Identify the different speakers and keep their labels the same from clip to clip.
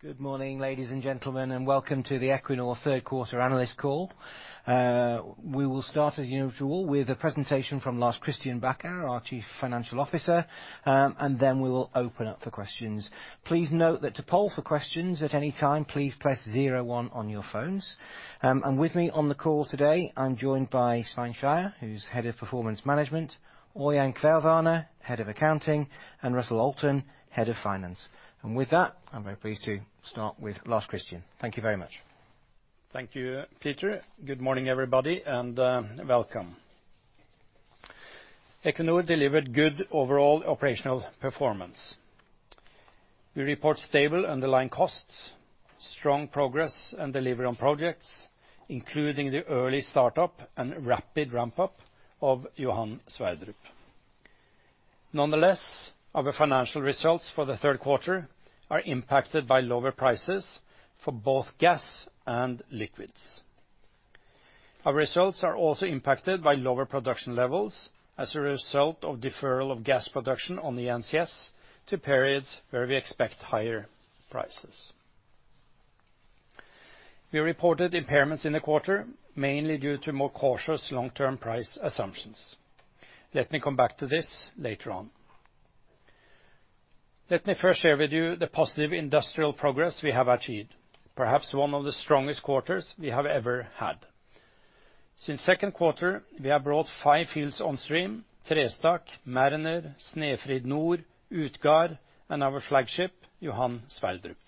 Speaker 1: Good morning, ladies and gentlemen, and welcome to the Equinor third quarter analyst call. We will start, as usual, with a presentation from Lars Christian Bacher, our Chief Financial Officer, and then we will open up for questions. Please note that to poll for questions at any time, please press zero one on your phones. With me on the call today, I'm joined by Svein Skeie, who's head of performance management, Ørjan Kvelvane, head of accounting, and Russell Alton, head of finance. With that, I'm very pleased to start with Lars Christian. Thank you very much.
Speaker 2: Thank you, Peter. Good morning, everybody, and welcome. Equinor delivered good overall operational performance. We report stable underlying costs, strong progress and delivery on projects, including the early start-up and rapid ramp-up of Johan Sverdrup. Our financial results for the third quarter are impacted by lower prices for both gas and liquids. Our results are also impacted by lower production levels as a result of deferral of gas production on the NCS to periods where we expect higher prices. We reported impairments in the quarter, mainly due to more cautious long-term price assumptions. Let me come back to this later on. Let me first share with you the positive industrial progress we have achieved, perhaps one of the strongest quarters we have ever had. Since second quarter, we have brought five fields on stream, Trestakk, Mariner, Snefrid Nord, Utgard, and our flagship, Johan Sverdrup.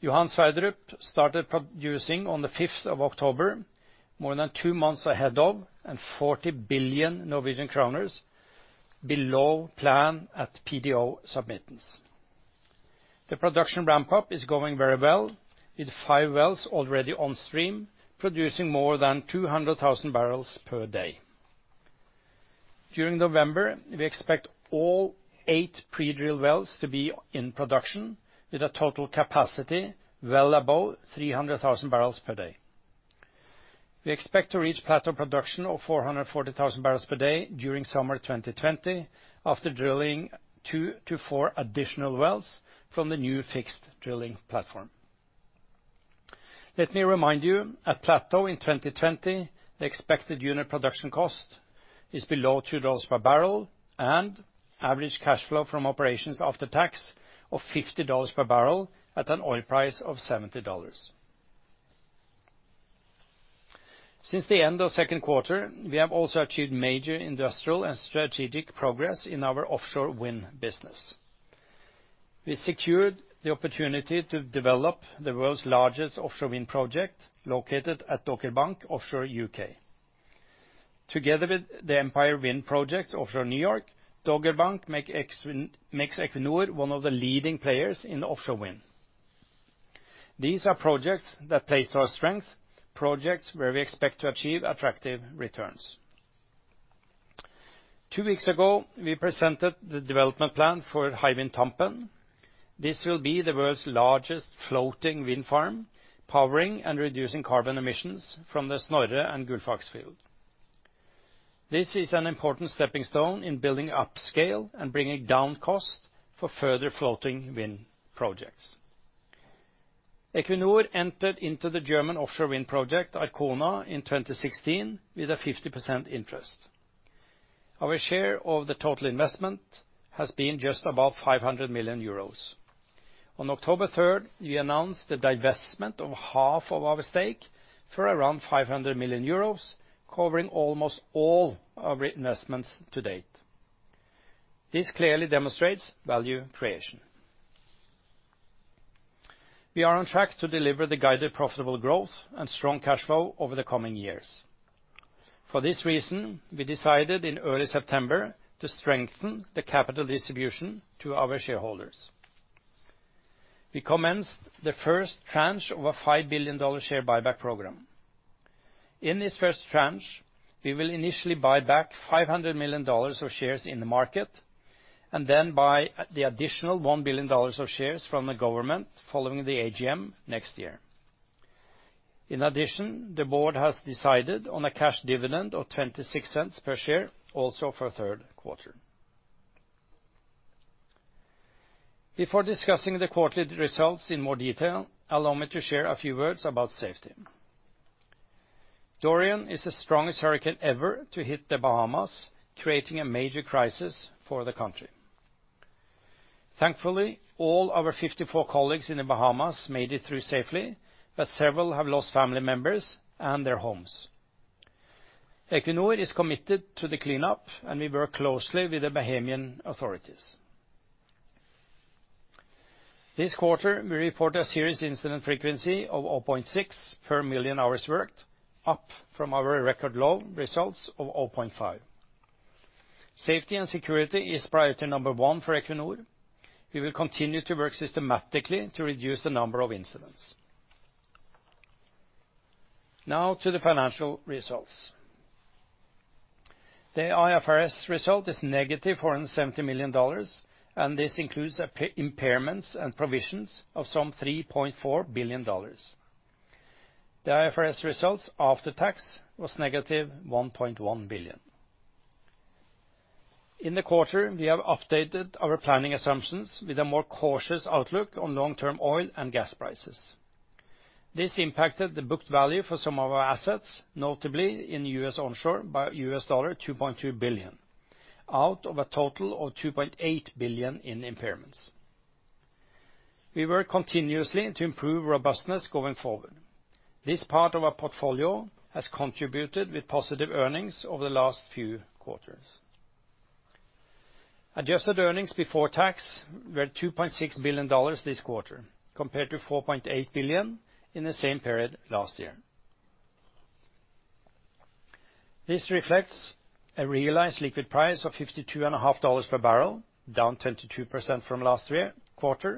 Speaker 2: Johan Sverdrup started producing on the 5th of October, more than two months ahead of and 40 billion Norwegian kroner below plan at PDO submittants. The production ramp-up is going very well, with five wells already on stream, producing more than 200,000 barrels per day. During November, we expect all eight pre-drilled wells to be in production with a total capacity well above 300,000 barrels per day. We expect to reach plateau production of 440,000 barrels per day during summer 2020 after drilling two to four additional wells from the new fixed drilling platform. Let me remind you, at plateau in 2020, the expected unit production cost is below $2 per barrel and average cash flow from operations after tax of $50 per barrel at an oil price of $70. Since the end of second quarter, we have also achieved major industrial and strategic progress in our offshore wind business. We secured the opportunity to develop the world's largest offshore wind project located at Dogger Bank offshore U.K. Together with the Empire Wind Project offshore New York, Dogger Bank makes Equinor one of the leading players in offshore wind. These are projects that play to our strength, projects where we expect to achieve attractive returns. 2 weeks ago, we presented the development plan for Hywind Tampen. This will be the world's largest floating wind farm, powering and reducing carbon emissions from the Snorre and Gullfaks field. This is an important stepping stone in building upscale and bringing down cost for further floating wind projects. Equinor entered into the German offshore wind project, Arkona, in 2016 with a 50% interest. Our share of the total investment has been just above 500 million euros. On October 3rd, we announced the divestment of half of our stake for around 500 million euros, covering almost all our investments to date. This clearly demonstrates value creation. We are on track to deliver the guided profitable growth and strong cash flow over the coming years. For this reason, we decided in early September to strengthen the capital distribution to our shareholders. We commenced the first tranche of a NOK 5 billion share buyback program. In this first tranche, we will initially buy back NOK 500 million of shares in the market and then buy the additional NOK 1 billion of shares from the government following the AGM next year. In addition, the board has decided on a cash dividend of 0.26 per share also for third quarter. Before discussing the quarterly results in more detail, allow me to share a few words about safety. Dorian is the strongest hurricane ever to hit the Bahamas, creating a major crisis for the country. Thankfully, all our 54 colleagues in the Bahamas made it through safely, but several have lost family members and their homes. Equinor is committed to the cleanup, and we work closely with the Bahamian authorities. This quarter, we report a serious incident frequency of 0.6 per million hours worked, up from our record low results of 0.5. Safety and security is priority number one for Equinor. We will continue to work systematically to reduce the number of incidents. Now to the financial results. The IFRS result is negative NOK 470 million. This includes impairments and provisions of some NOK 3.4 billion. The IFRS results after tax was negative 1.1 billion. In the quarter, we have updated our planning assumptions with a more cautious outlook on long-term oil and gas prices. This impacted the booked value for some of our assets, notably in U.S. onshore, by $2.2 billion out of a total of $2.8 billion in impairments. We work continuously to improve robustness going forward. This part of our portfolio has contributed with positive earnings over the last few quarters. Adjusted earnings before tax were NOK 2.6 billion this quarter, compared to 4.8 billion in the same period last year. This reflects a realized liquid price of $52.5 per barrel, down 22% from last quarter.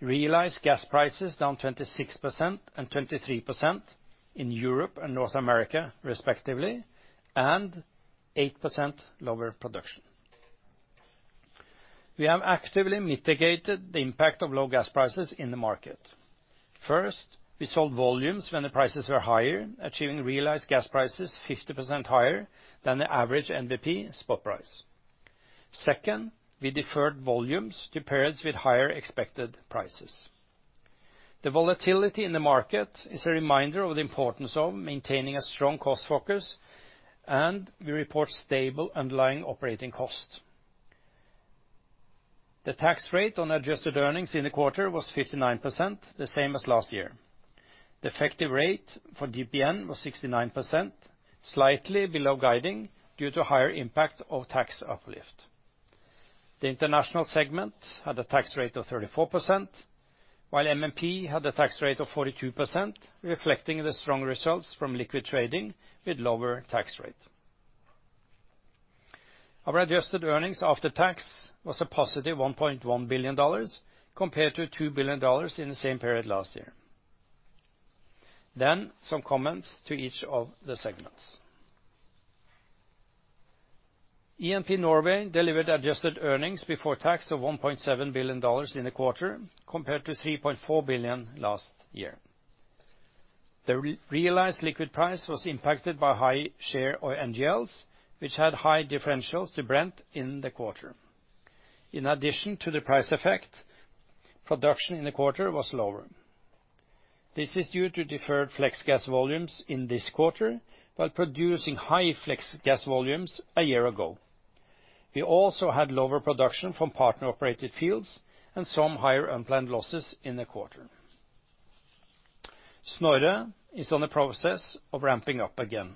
Speaker 2: Realized gas prices down 26% and 23% in Europe and North America respectively, and 8% lower production. We have actively mitigated the impact of low gas prices in the market. First, we sold volumes when the prices were higher, achieving realized gas prices 50% higher than the average NBP spot price. Second, we deferred volumes to periods with higher expected prices. The volatility in the market is a reminder of the importance of maintaining a strong cost focus. We report stable underlying operating cost. The tax rate on adjusted earnings in the quarter was 59%, the same as last year. The effective rate for GPN was 69%, slightly below guiding due to higher impact of tax uplift. The international segment had a tax rate of 34%, while MMP had a tax rate of 42%, reflecting the strong results from liquid trading with lower tax rate. Our adjusted earnings after tax was a positive $1.1 billion compared to $2 billion in the same period last year. Some comments to each of the segments. E&P Norway delivered adjusted earnings before tax of $1.7 billion in the quarter, compared to $3.4 billion last year. The realized liquid price was impacted by high share of NGLs, which had high differentials to Brent in the quarter. In addition to the price effect, production in the quarter was lower. This is due to deferred flex gas volumes in this quarter while producing high flex gas volumes a year ago. We also had lower production from partner-operated fields and some higher unplanned losses in the quarter. Snorre is on the process of ramping up again.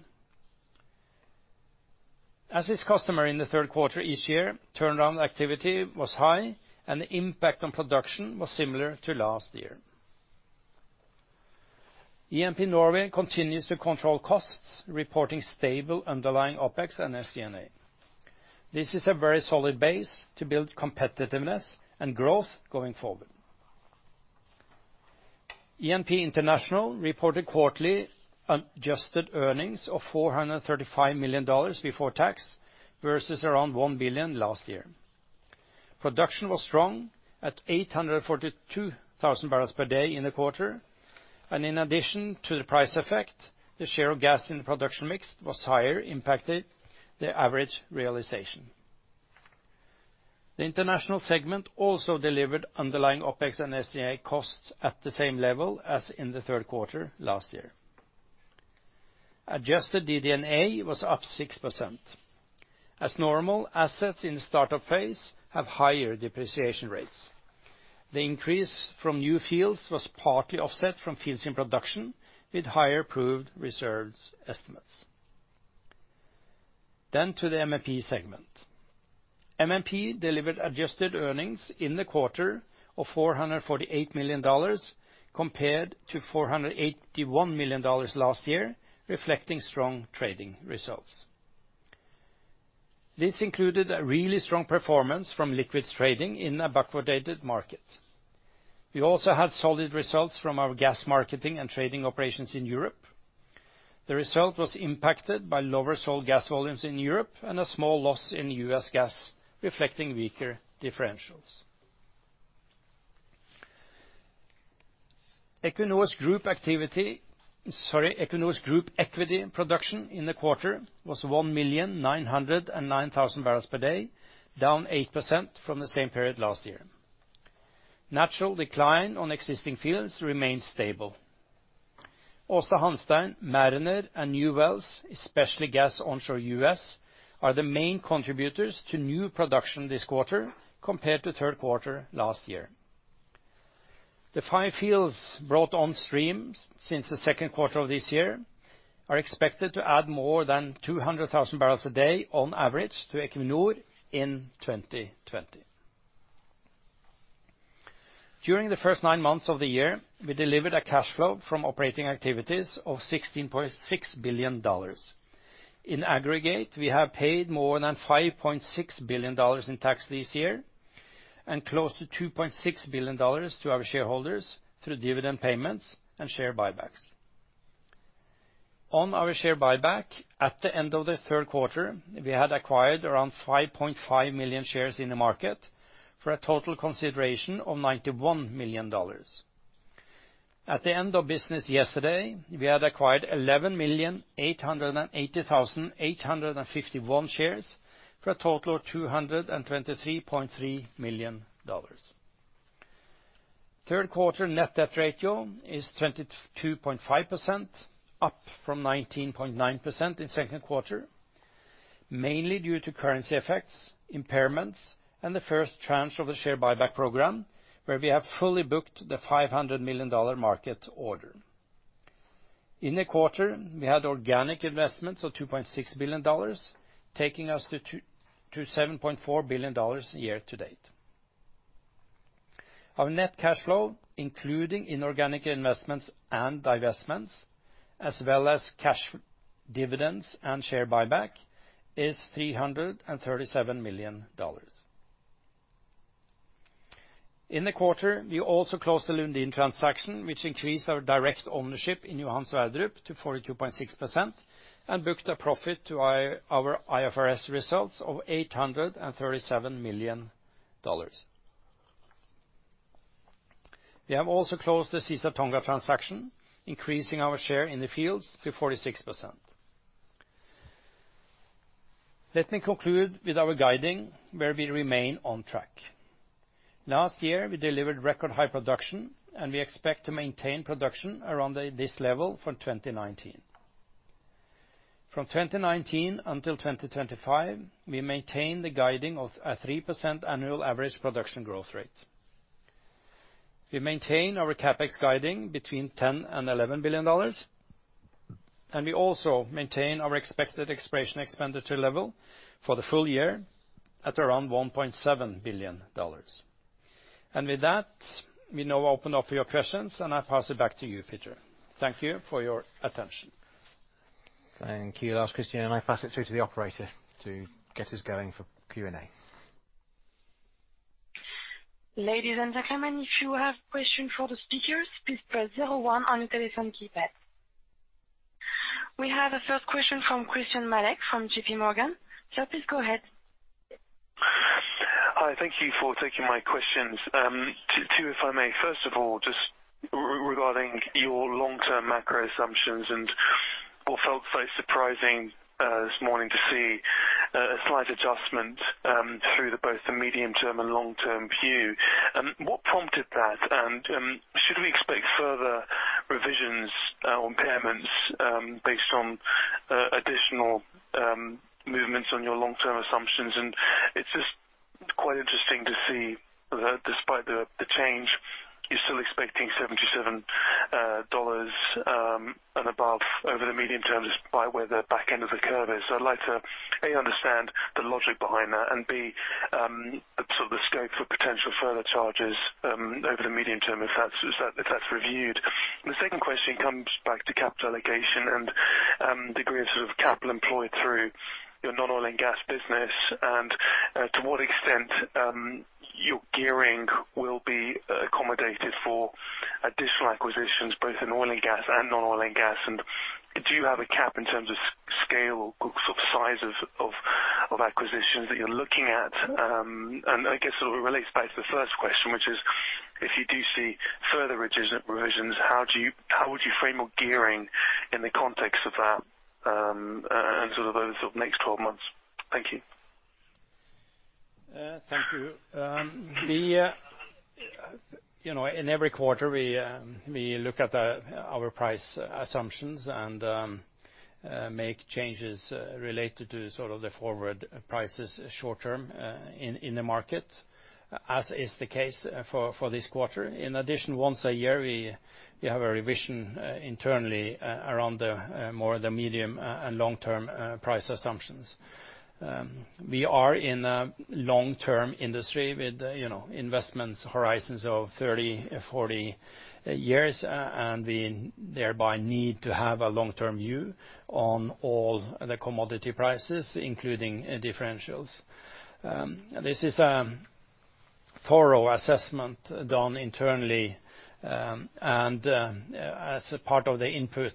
Speaker 2: As is customary in the third quarter each year, turnaround activity was high and the impact on production was similar to last year. E&P Norway continues to control costs, reporting stable underlying OPEX and SG&A. This is a very solid base to build competitiveness and growth going forward. E&P International reported quarterly adjusted earnings of NOK 435 million before tax, versus around 1 billion last year. Production was strong at 842,000 barrels per day in the quarter. In addition to the price effect, the share of gas in the production mix was higher impacted the average realization. The International Segment also delivered underlying OPEX and SG&A costs at the same level as in the third quarter last year. Adjusted DD&A was up 6%. As normal, assets in the startup phase have higher depreciation rates. The increase from new fields was partly offset from fields in production, with higher proved reserves estimates. To the MMP Segment. MMP delivered adjusted earnings in the quarter of NOK 448 million compared to NOK 481 million last year, reflecting strong trading results. This included a really strong performance from liquids trading in a backwardated market. We also had solid results from our gas marketing and trading operations in Europe. The result was impacted by lower sold gas volumes in Europe and a small loss in U.S. gas, reflecting weaker differentials. Equinor's group equity production in the quarter was 1,909,000 barrels per day, down 8% from the same period last year. Natural decline on existing fields remained stable. Aasta Hansteen, Mariner, and new wells, especially gas onshore U.S., are the main contributors to new production this quarter compared to third quarter last year. The five fields brought on stream since the second quarter of this year are expected to add more than 200,000 barrels a day on average to Equinor in 2020. During the first nine months of the year, we delivered a cash flow from operating activities of $16.6 billion. In aggregate, we have paid more than NOK 5.6 billion in tax this year and close to NOK 2.6 billion to our shareholders through dividend payments and share buybacks. On our share buyback, at the end of the third quarter, we had acquired around 5.5 million shares in the market for a total consideration of NOK 91 million. At the end of business yesterday, we had acquired 11,880,851 shares for a total of NOK 223.3 million. Third quarter net debt ratio is 22.5%, up from 19.9% in second quarter, mainly due to currency effects, impairments, and the first tranche of the share buyback program, where we have fully booked the NOK 500 million market order. In the quarter, we had organic investments of NOK 2.6 billion, taking us to NOK 7.4 billion year to date. Our net cash flow, including inorganic investments and divestments, as well as cash dividends and share buyback, is NOK 337 million. In the quarter, we also closed the Lundin transaction, which increased our direct ownership in Johan Sverdrup to 42.6% and booked a profit to our IFRS results of $837 million. We have also closed the Caesar Tonga transaction, increasing our share in the fields to 46%. Let me conclude with our guiding, where we remain on track. Last year, we delivered record-high production. We expect to maintain production around this level for 2019. From 2019 until 2025, we maintain the guiding of a 3% annual average production growth rate. We maintain our CapEx guiding between $10 and $11 billion. We also maintain our expected exploration expenditure level for the full year at around $1.7 billion. With that, we now open up for your questions, and I pass it back to you, Peter. Thank you for your attention.
Speaker 1: Thank you, Lars Christian, and I pass it through to the operator to get us going for Q&A.
Speaker 3: Ladies and gentlemen, if you have questions for the speakers, please press 01 on your telephone keypad. We have a first question from Christyan Malek from JPMorgan. Sir, please go ahead.
Speaker 4: Hi. Thank you for taking my questions. Two, if I may. First of all, just regarding your long-term macro assumptions and what felt quite surprising this morning to see a slight adjustment through both the medium-term and long-term view. What prompted that? Should we expect further revisions, impairments based on additional movements on your long-term assumptions? It's just quite interesting to see that despite the change, you're still expecting NOK 77 and above over the medium-term, despite where the back end of the curve is. I'd like to, A, understand the logic behind that, and B, the scope for potential further charges over the medium-term, if that's reviewed. The second question comes back to capital allocation and degree of capital employed through your non-oil and gas business, and to what extent your gearing will be accommodated for additional acquisitions, both in oil and gas and non-oil and gas. Do you have a cap in terms of scale or size of acquisitions that you are looking at? I guess it relates back to the first question, which is if you do see further revisions, how would you frame your gearing in the context of that and over those next 12 months? Thank you.
Speaker 2: Thank you. In every quarter, we look at our price assumptions and make changes related to the forward prices short-term in the market, as is the case for this quarter. In addition, once a year, we have a revision internally around more of the medium and long-term price assumptions. We are in a long-term industry with investments horizons of 30, 40 years, and we thereby need to have a long-term view on all the commodity prices, including differentials. This is a thorough assessment done internally, and as a part of the input,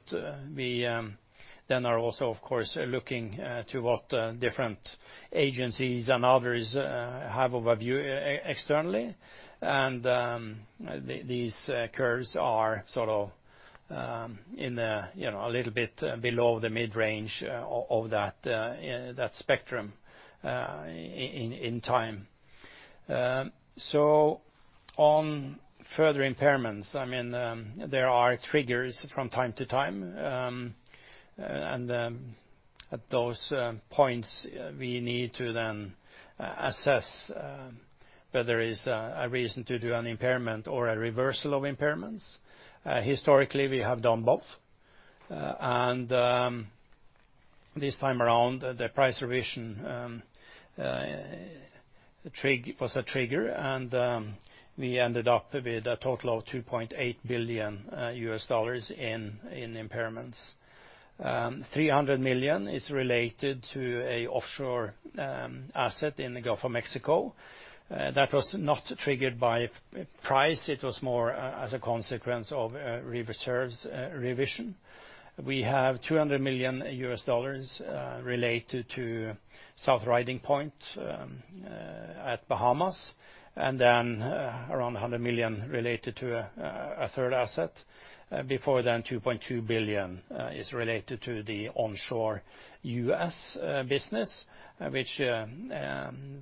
Speaker 2: we then are also, of course, looking to what different agencies and others have overview externally. These curves are a little bit below the mid-range of that spectrum in time. On further impairments, there are triggers from time to time, and at those points, we need to then assess whether is a reason to do an impairment or a reversal of impairments. Historically, we have done both. This time around, the price revision was a trigger, and we ended up with a total of $2.8 billion in impairments. $300 million is related to a offshore asset in the Gulf of Mexico. That was not triggered by price. It was more as a consequence of reserves revision. We have $200 million related to South Riding Point at Bahamas and then around $100 million related to a third asset. $2.2 billion is related to the onshore U.S. business, which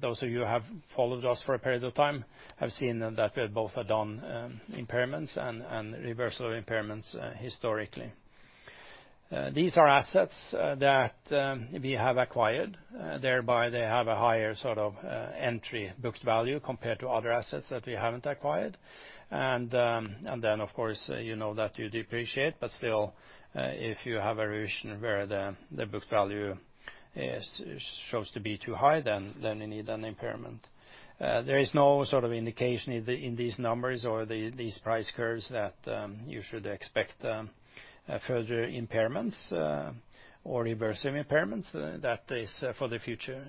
Speaker 2: those of you who have followed us for a period of time have seen that we both have done impairments and reversal impairments historically. These are assets that we have acquired, thereby they have a higher sort of entry booked value compared to other assets that we haven't acquired. Of course, you know that you depreciate, but still, if you have a version where the booked value shows to be too high, then you need an impairment. There is no sort of indication in these numbers or these price curves that you should expect further impairments or reversal impairments. That is for the future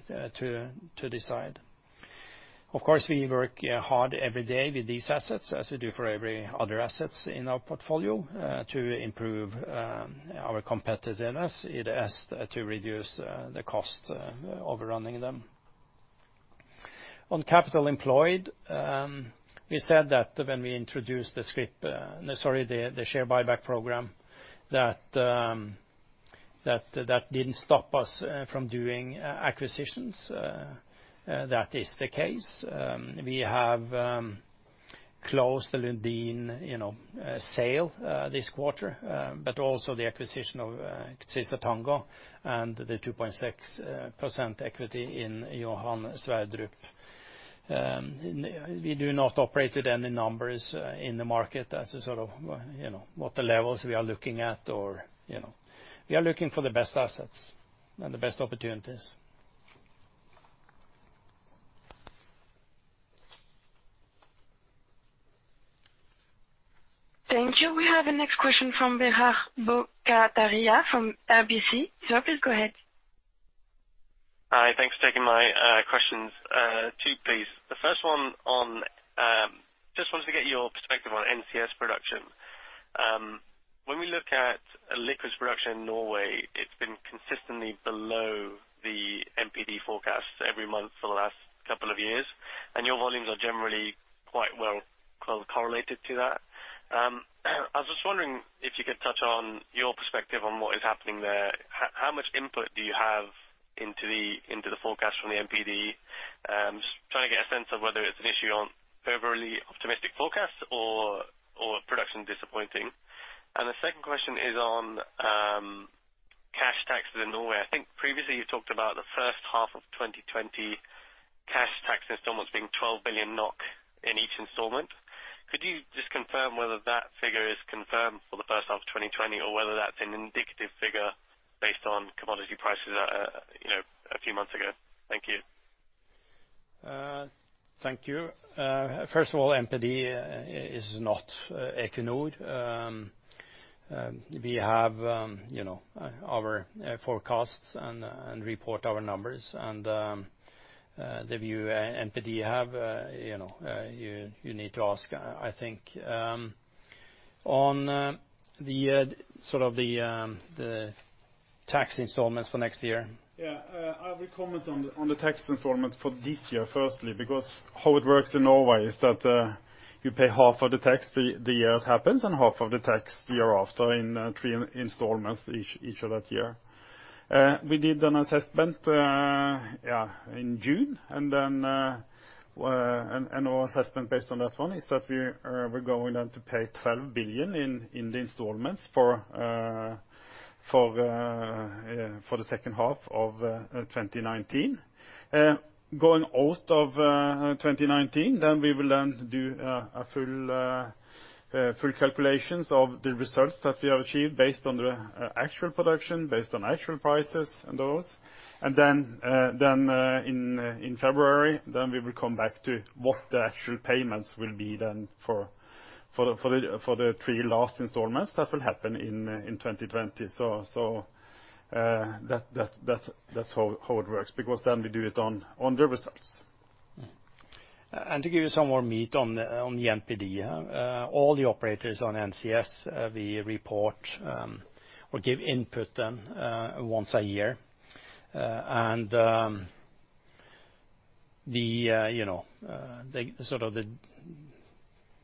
Speaker 2: to decide. Of course, we work hard every day with these assets, as we do for every other assets in our portfolio, to improve our competitiveness, it is to reduce the cost of running them. On capital employed, we said that when we introduced the share buyback program, that didn't stop us from doing acquisitions. That is the case. We have closed the Lundin sale this quarter, but also the acquisition of Statkraft and the 2.6% equity in Johan Sverdrup. We do not operate with any numbers in the market as a sort of what the levels we are looking at. We are looking for the best assets and the best opportunities.
Speaker 3: Thank you. We have the next question from Biraj Borkhataria from RBC. Sir, please go ahead.
Speaker 5: Hi. Thanks for taking my questions. Two, please. The first one, just wanted to get your perspective on NCS production. When we look at liquids production in Norway, it has been consistently below the NPD forecasts every month for the last couple of years, and your volumes are generally quite well correlated to that. I was just wondering if you could touch on your perspective on what is happening there. How much input do you have into the forecast from the NPD? I am just trying to get a sense of whether it is an issue on overly optimistic forecasts or production disappointing. The second question is on cash taxes in Norway. I think previously you talked about the first half of 2020 cash taxes almost being 12 billion NOK in each installment. Could you just confirm whether that figure is confirmed for the first half of 2020, or whether that's an indicative figure based on commodity prices a few months ago? Thank you.
Speaker 2: Thank you. NPD is not Equinor. We have our forecasts and report our numbers and the view NPD have, you need to ask, I think. On the tax installments for next year.
Speaker 6: I will comment on the tax installments for this year, firstly, because how it works in Norway is that you pay half of the tax the year it happens and half of the tax the year after in three installments each of that year. Our assessment based on that one is that we're going then to pay 12 billion in the installments for the second half of 2019. Going out of 2019, then we will then do a full calculations of the results that we have achieved based on the actual production, based on actual prices and those. In February, then we will come back to what the actual payments will be then for the three last installments that will happen in 2020. That's how it works, because then we do it on the results.
Speaker 2: To give you some more meat on the NPD. All the operators on NCS, we report or give input then once a year. The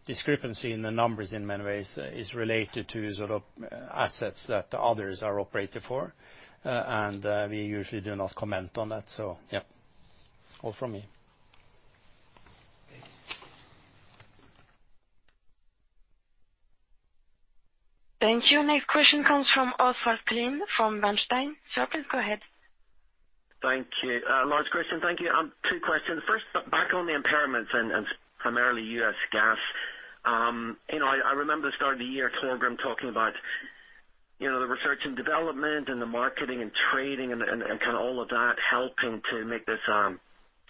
Speaker 2: discrepancy in the numbers in many ways is related to sort of assets that others are operating for. We usually do not comment on that. Yeah. All from me.
Speaker 3: Thank you. Next question comes from Oswald Clint from Bernstein. Sir, please go ahead.
Speaker 7: Thank you. Lars Christian, thank you. Two questions. First, back on the impairments and primarily U.S. gas. I remember the start of the year, Torgrim talking about the research and development and the marketing and trading and kind of all of that helping to make this,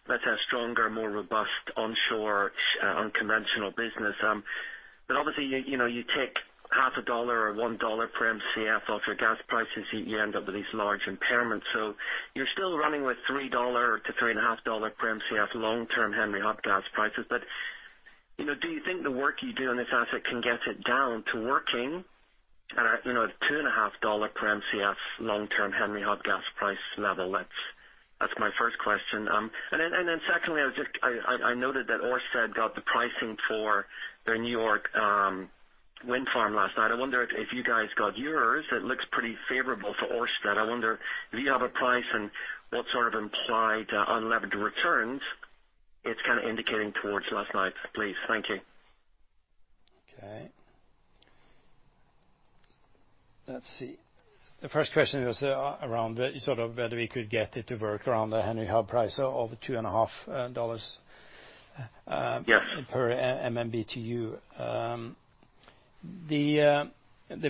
Speaker 7: let's say, stronger, more robust onshore, unconventional business. Obviously, you take half a dollar or $1 per Mcf off your gas prices, you end up with these large impairments. So you're still running with $3-$3.5 per Mcf long-term Henry Hub gas prices. Do you think the work you do on this asset can get it down to working at a two and a half dollar per Mcf long-term Henry Hub gas price level? That's my first question. Secondly, I noted that Ørsted got the pricing for their New York wind farm last night. I wonder if you guys got yours. It looks pretty favorable for Ørsted. I wonder if you have a price and what sort of implied unlevered returns it's kind of indicating towards last night, please. Thank you.
Speaker 2: Okay. Let's see. The first question was around whether we could get it to work around the Henry Hub price of two and a half dollars.
Speaker 7: Yeah
Speaker 2: per MMBtu. The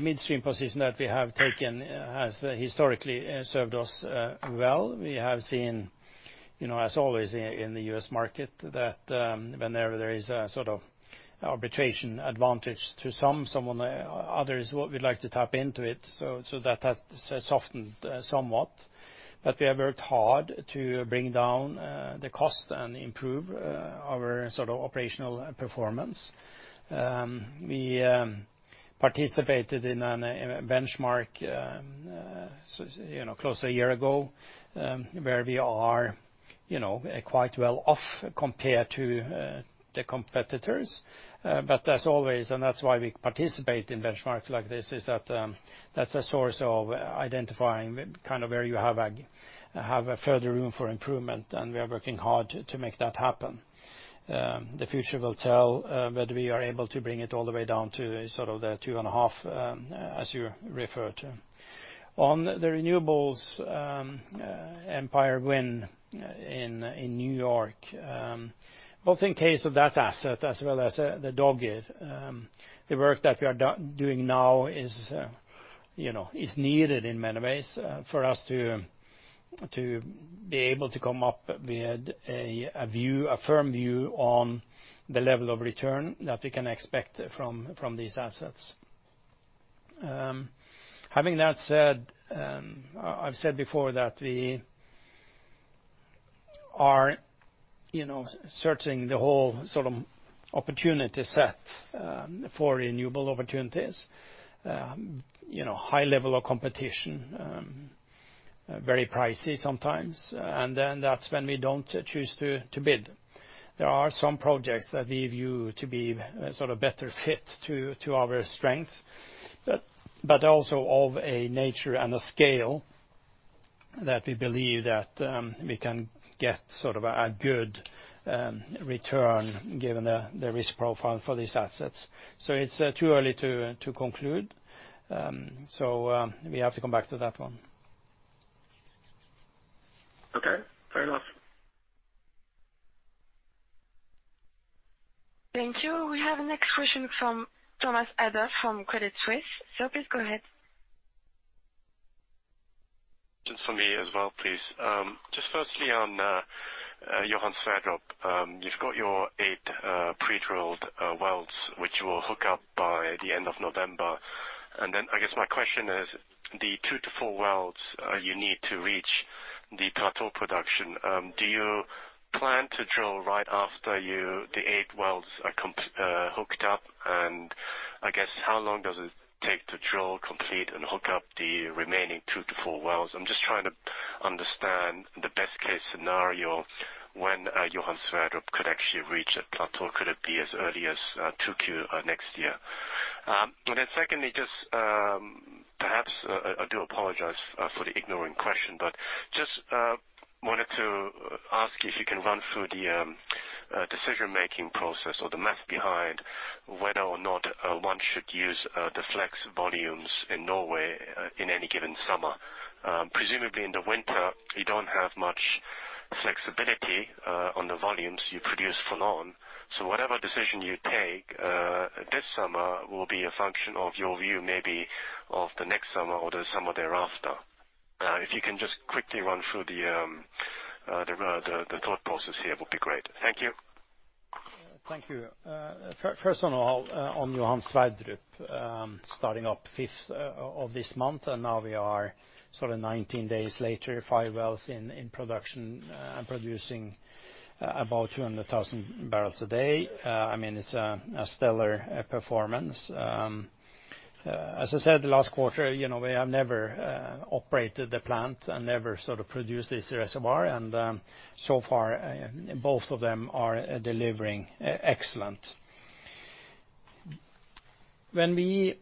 Speaker 2: midstream position that we have taken has historically served us well. We have seen, as always in the U.S. market, that whenever there is a sort of arbitration advantage to some, others would like to tap into it, so that has softened somewhat. We have worked hard to bring down the cost and improve our operational performance. We participated in a benchmark close to a year ago, where we are quite well off compared to the competitors. As always, and that's why we participate in benchmarks like this, is that's a source of identifying where you have a further room for improvement, and we are working hard to make that happen. The future will tell whether we are able to bring it all the way down to the two and a half, as you refer to. On the renewables, Empire Wind in New York. Both in case of that asset as well as the Dogger, the work that we are doing now is needed in many ways for us to be able to come up with a firm view on the level of return that we can expect from these assets. Having that said, I've said before that we are searching the whole opportunity set for renewable opportunities. High level of competition, very pricey sometimes, and then that's when we don't choose to bid. There are some projects that we view to be sort of better fit to our strengths, but also of a nature and a scale that we believe that we can get a good return given the risk profile for these assets. It's too early to conclude. We have to come back to that one.
Speaker 7: Okay, fair enough.
Speaker 3: Thank you. We have the next question from Thomas Adolff from Credit Suisse. Please go ahead.
Speaker 8: Just for me as well, please. Firstly on Johan Sverdrup. You've got your eight pre-drilled wells, which you will hook up by the end of November. Then, I guess my question is, the 2-4 wells you need to reach the plateau production, do you plan to drill right after the eight wells are hooked up? I guess how long does it take to drill, complete, and hook up the remaining 2-4 wells? I'm just trying to understand the best case scenario when Johan Sverdrup could actually reach the plateau. Could it be as early as 2Q next year? Secondly, just perhaps, I do apologize for the ignorant question, but just wanted to ask if you can run through the decision-making process or the math behind whether or not one should use the flex volumes in Norway in any given summer. Presumably in the winter, you don't have much flexibility on the volumes you produce full on. Whatever decision you take this summer will be a function of your view, maybe of the next summer or the summer thereafter. If you can just quickly run through the thought process here, would be great. Thank you.
Speaker 2: Thank you. First of all, on Johan Sverdrup starting up fifth of this month, now we are sort of 19 days later, 5 wells in production, producing about 200,000 barrels a day. It's a stellar performance. As I said the last quarter, we have never operated the plant and never sort of produced this reservoir, so far both of them are delivering excellent. When we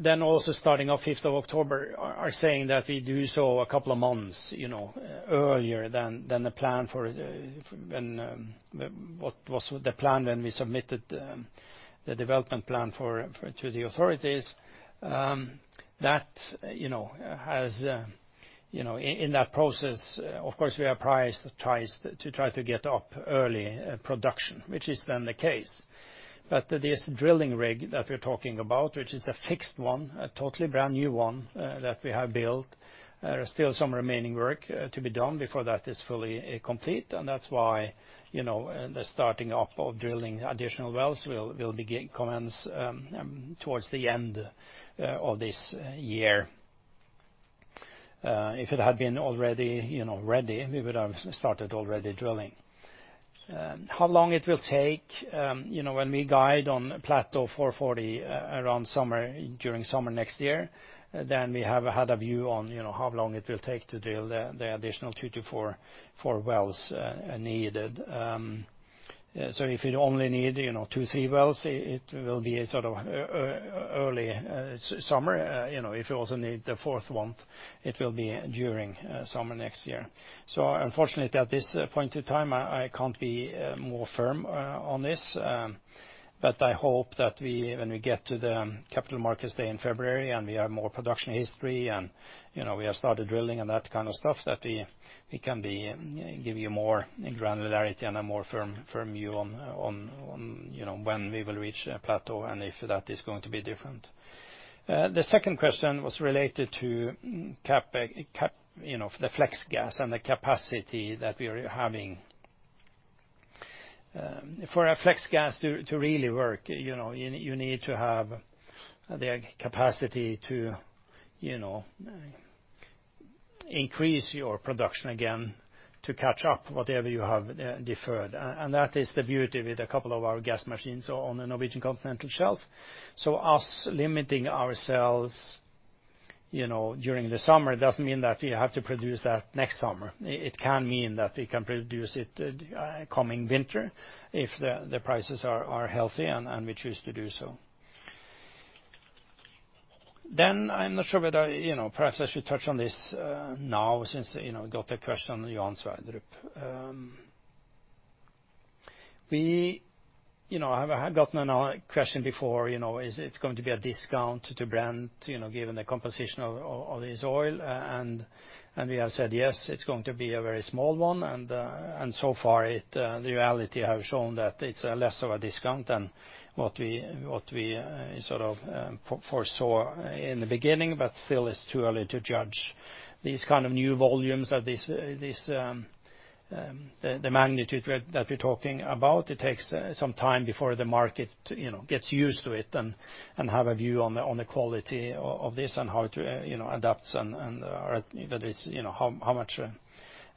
Speaker 2: then also starting on 5th of October, are saying that we do so a couple of months earlier than what was the plan when we submitted the development plan to the authorities. In that process, of course, we are pressed to try to get up early production, which is then the case. This drilling rig that we're talking about, which is a fixed one, a totally brand-new one that we have built. There are still some remaining work to be done before that is fully complete. That's why the starting up of drilling additional wells will commence towards the end of this year. If it had been already ready, we would have started already drilling. How long it will take, when we guide on plateau 440 during summer next year, then we have had a view on how long it will take to drill the additional two to four wells needed. If you'd only need two, three wells, it will be early summer. If you also need the fourth one, it will be during summer next year. Unfortunately, at this point in time, I can't be more firm on this. I hope that when we get to the Capital Markets Day in February, and we have more production history, and we have started drilling and that kind of stuff, that we can give you more granularity and a firmer view on when we will reach plateau and if that is going to be different. The second question was related to the flex gas and the capacity that we are having. For our flex gas to really work, you need to have the capacity to increase your production again to catch up whatever you have deferred. That is the beauty with a couple of our gas machines on the Norwegian Continental Shelf. Us limiting ourselves during the summer doesn't mean that we have to produce that next summer. It can mean that we can produce it coming winter if the prices are healthy and we choose to do so. I'm not sure, perhaps I should touch on this now since we got a question on the answer I dropped. I have gotten a question before, is it going to be a discount to Brent given the composition of this oil? We have said, yes, it's going to be a very small one. So far, the reality have shown that it's less of a discount than what we foresaw in the beginning. Still, it's too early to judge these kind of new volumes at the magnitude that we're talking about. It takes some time before the market gets used to it and have a view on the quality of this and how to adapt how much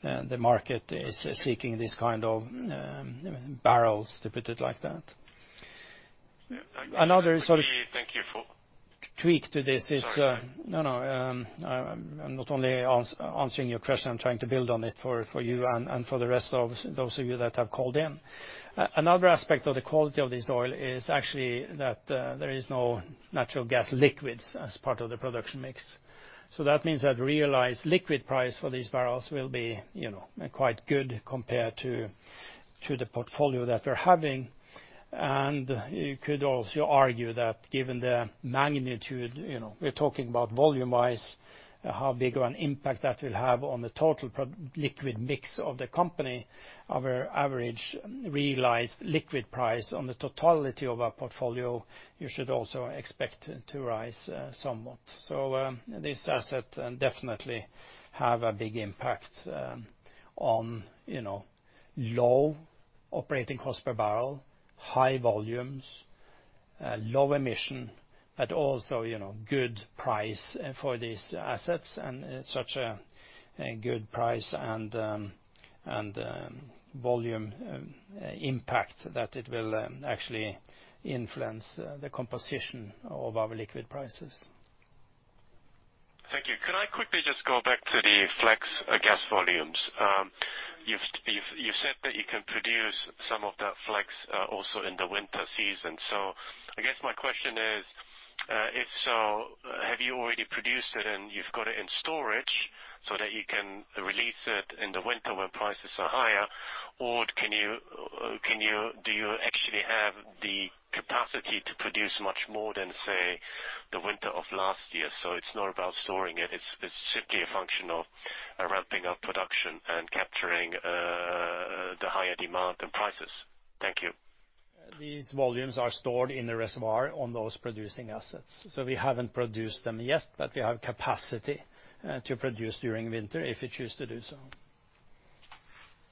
Speaker 2: the market is seeking these kind of barrels, to put it like that.
Speaker 8: Thank you for.
Speaker 2: Tweak to this is-
Speaker 8: Sorry
Speaker 2: No, I'm not only answering your question, I'm trying to build on it for you and for the rest of those of you that have called in. Another aspect of the quality of this oil is actually that there is no Natural Gas Liquids as part of the production mix. That means that realized liquid price for these barrels will be quite good compared to the portfolio that we're having. You could also argue that given the magnitude, we're talking about volume-wise, how big of an impact that will have on the total liquid mix of the company. Our average realized liquid price on the totality of our portfolio, you should also expect to rise somewhat. This asset definitely have a big impact on low operating cost per barrel, high volumes, low emission, but also good price for these assets and such a good price and volume impact that it will actually influence the composition of our liquid prices.
Speaker 8: Thank you. Could I quickly just go back to the flex gas volumes? You've said that you can produce some of that flex also in the winter season. I guess my question is, if so, have you already produced it and you've got it in storage so that you can release it in the winter when prices are higher? Or do you actually have the capacity to produce much more than, say, the winter of last year? It's not about storing it's simply a function of ramping up production and capturing the higher demand and prices. Thank you.
Speaker 2: These volumes are stored in the reservoir on those producing assets. We haven't produced them yet, but we have capacity to produce during winter if we choose to do so.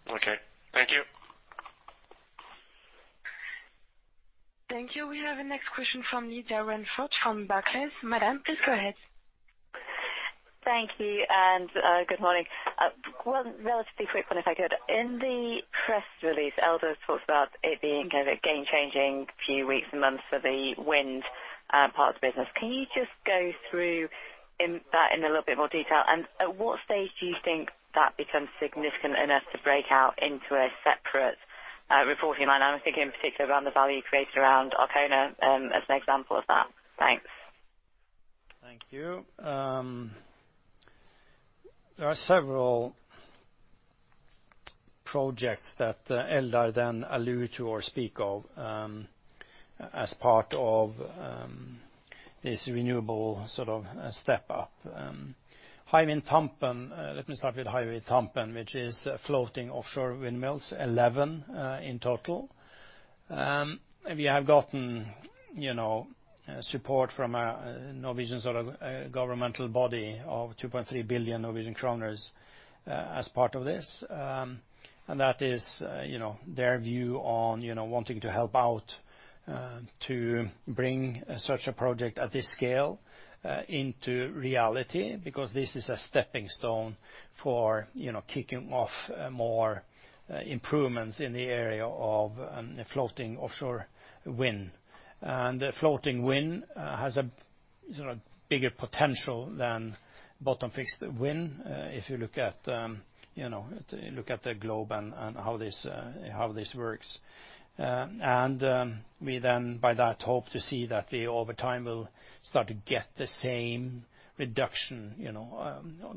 Speaker 8: Okay. Thank you.
Speaker 3: Thank you. We have a next question from Lydia Rainforth from Barclays. Madam, please go ahead.
Speaker 9: Thank you, and good morning. One relatively quick one, if I could. In the press release, Eldar talked about it being kind of a game-changing few weeks and months for the wind parts business. Can you just go through that in a little bit more detail? At what stage do you think that becomes significant enough to break out into a separate reporting? I'm thinking in particular around the value created around Arkona as an example of that. Thanks.
Speaker 2: Thank you. There are several projects that Eldar allude to or speak of as part of this renewable step up. Let me start with Hywind Tampen, which is floating offshore windmills, 11 in total. We have gotten support from a Norwegian governmental body of 2.3 billion Norwegian kroner as part of this. That is their view on wanting to help out to bring such a project at this scale into reality, because this is a stepping stone for kicking off more improvements in the area of floating offshore wind. Floating wind has a bigger potential than bottom-fixed wind, if you look at the globe and how this works. We, by that, hope to see that we, over time, will start to get the same reduction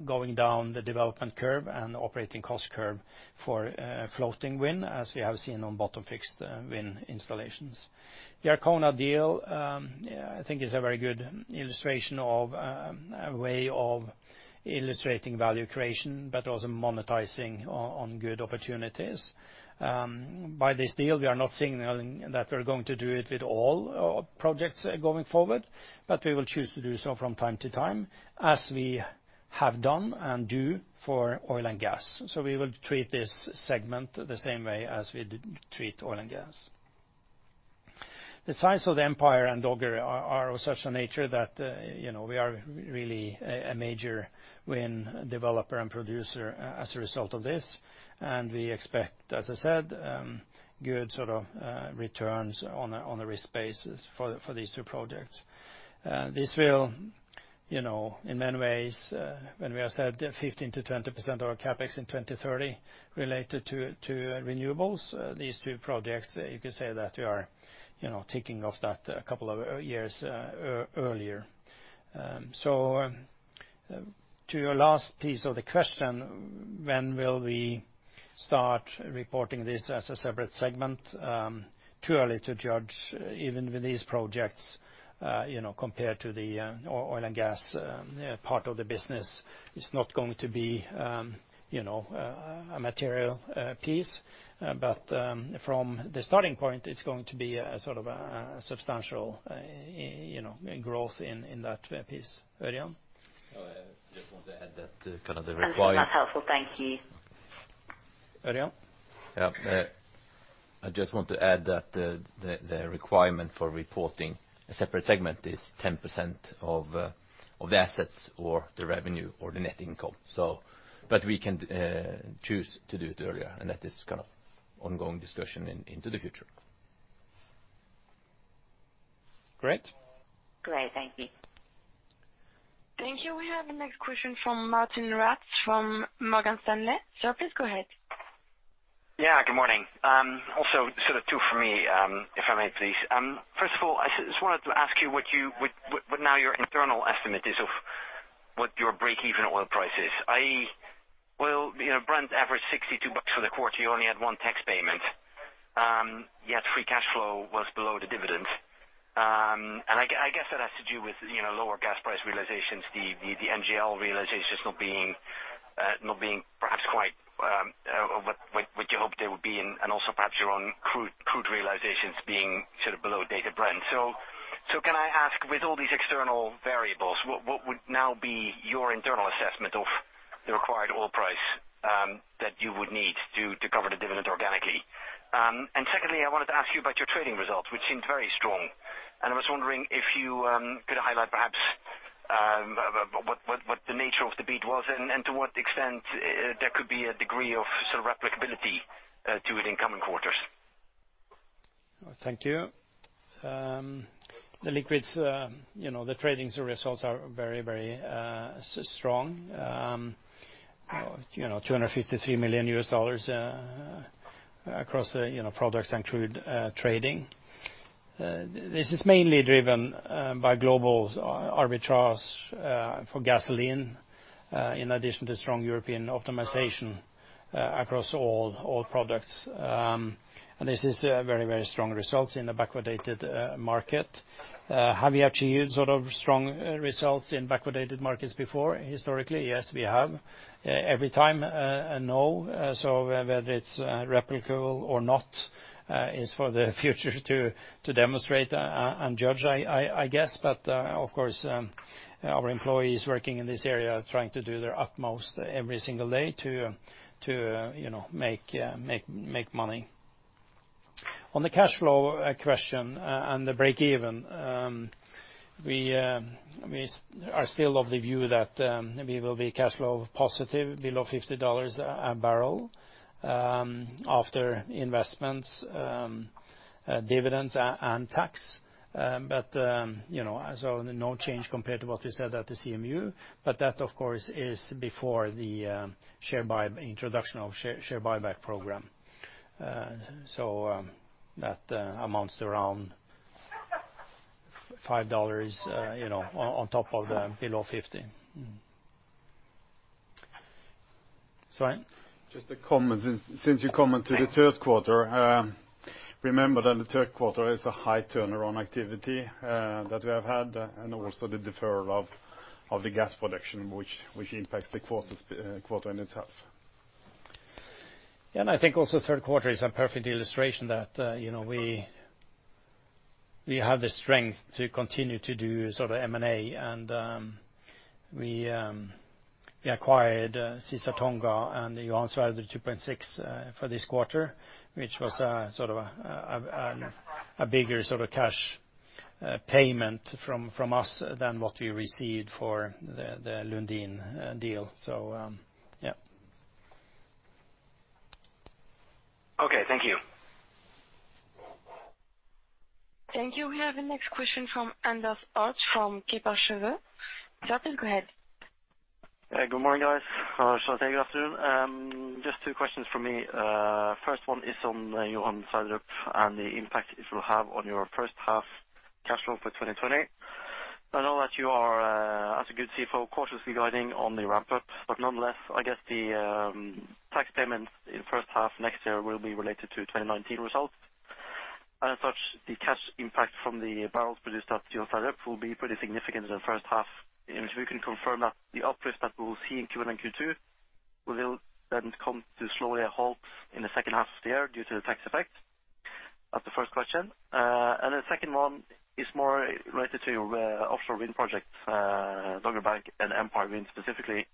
Speaker 2: going down the development curve and operating cost curve for floating wind as we have seen on bottom-fixed wind installations. The Arkona deal, I think is a very good way of illustrating value creation, but also monetizing on good opportunities. By this deal, we are not signaling that we're going to do it with all our projects going forward, but we will choose to do so from time to time as we have done and do for oil and gas. We will treat this segment the same way as we treat oil and gas. The size of Empire and Dudgeon are of such a nature that we are really a major wind developer and producer as a result of this. We expect, as I said, good returns on a risk basis for these two projects. This will, in many ways, when we have said 15%-20% of our CapEx in 2030 related to renewables, these two projects, you could say that we are ticking off that a couple of years earlier. To your last piece of the question, when will we start reporting this as a separate segment? Too early to judge, even with these projects compared to the oil and gas part of the business. It's not going to be a material piece, but from the starting point, it's going to be a substantial growth in that piece. Ørjan?
Speaker 10: I just want to add that kind of the require-.
Speaker 9: That's helpful. Thank you.
Speaker 2: Ørjan?
Speaker 10: Yeah. I just want to add that the requirement for reporting a separate segment is 10% of the assets or the revenue or the net income. We can choose to do it earlier, and that is kind of ongoing discussion into the future.
Speaker 2: Great.
Speaker 9: Great. Thank you.
Speaker 3: Thank you. We have the next question from Martijn Rats from Morgan Stanley. Sir, please go ahead.
Speaker 11: Good morning. Also two for me, if I may, please. First of all, I just wanted to ask you what now your internal estimate is of what your breakeven oil price is? Brent averaged 62 bucks for the quarter, you only had one tax payment. Yet free cash flow was below the dividend. I guess that has to do with lower gas price realizations, the NGL realizations not being perhaps quite what you hoped they would be, and also perhaps your own crude realizations being below dated Brent. Can I ask, with all these external variables, what would now be your internal assessment of the required oil price that you would need to cover the dividend organically? Secondly, I wanted to ask you about your trading results, which seemed very strong. I was wondering if you could highlight perhaps what the nature of the beat was, and to what extent there could be a degree of replicability to it in coming quarters.
Speaker 2: Thank you. The liquids, the trading results are very strong. $253 million across products and crude trading. This is mainly driven by global arbitrage for gasoline, in addition to strong European optimization across all products. This is very strong results in the backwardated market. Have we achieved strong results in backwardated markets before, historically? Yes, we have. Every time? No. Whether it's replicable or not is for the future to demonstrate and judge, I guess. Of course, our employees working in this area are trying to do their utmost every single day to make money. On the cash flow question and the breakeven, we are still of the view that we will be cash flow positive below $50 a barrel after investments, dividends, and tax. No change compared to what we said at the CMD, but that, of course, is before the introduction of share buyback program. That amounts to around NOK 5 on top of the below 50. Svein?
Speaker 6: Just a comment.
Speaker 11: Thank you.
Speaker 6: The third quarter. Remember that the third quarter is a high turnaround activity that we have had, and also the deferral of the gas production, which impacts the quarter in itself.
Speaker 2: I think also the third quarter is a perfect illustration that we have the strength to continue to do sort of M&A and we acquired Caesar Tonga and the answer out of the 2.6 for this quarter, which was sort of a bigger cash payment from us than what we received for the Lundin deal.
Speaker 11: Okay. Thank you.
Speaker 3: Thank you. We have the next question from Anders Holte from Kepler Cheuvreux. Sir, please go ahead.
Speaker 12: Good morning, guys. Or should I say good afternoon? Just two questions from me. The first one is on Johan Sverdrup and the impact it will have on your first half cash flow for 2020. I know that you are, as a good CFO, cautiously guiding on the ramp-up, but nonetheless, I guess the tax payments in the first half next year will be related to 2019 results. As such, the cash impact from the barrels produced at Johan Sverdrup will be pretty significant in the first half. If you can confirm that the uplift that we will see in Q1 and Q2 will then come to slowly a halt in the second half of the year due to the tax effect. That's the first question. The second one is more related to your offshore wind projects, Dogger Bank and Empire Wind specifically.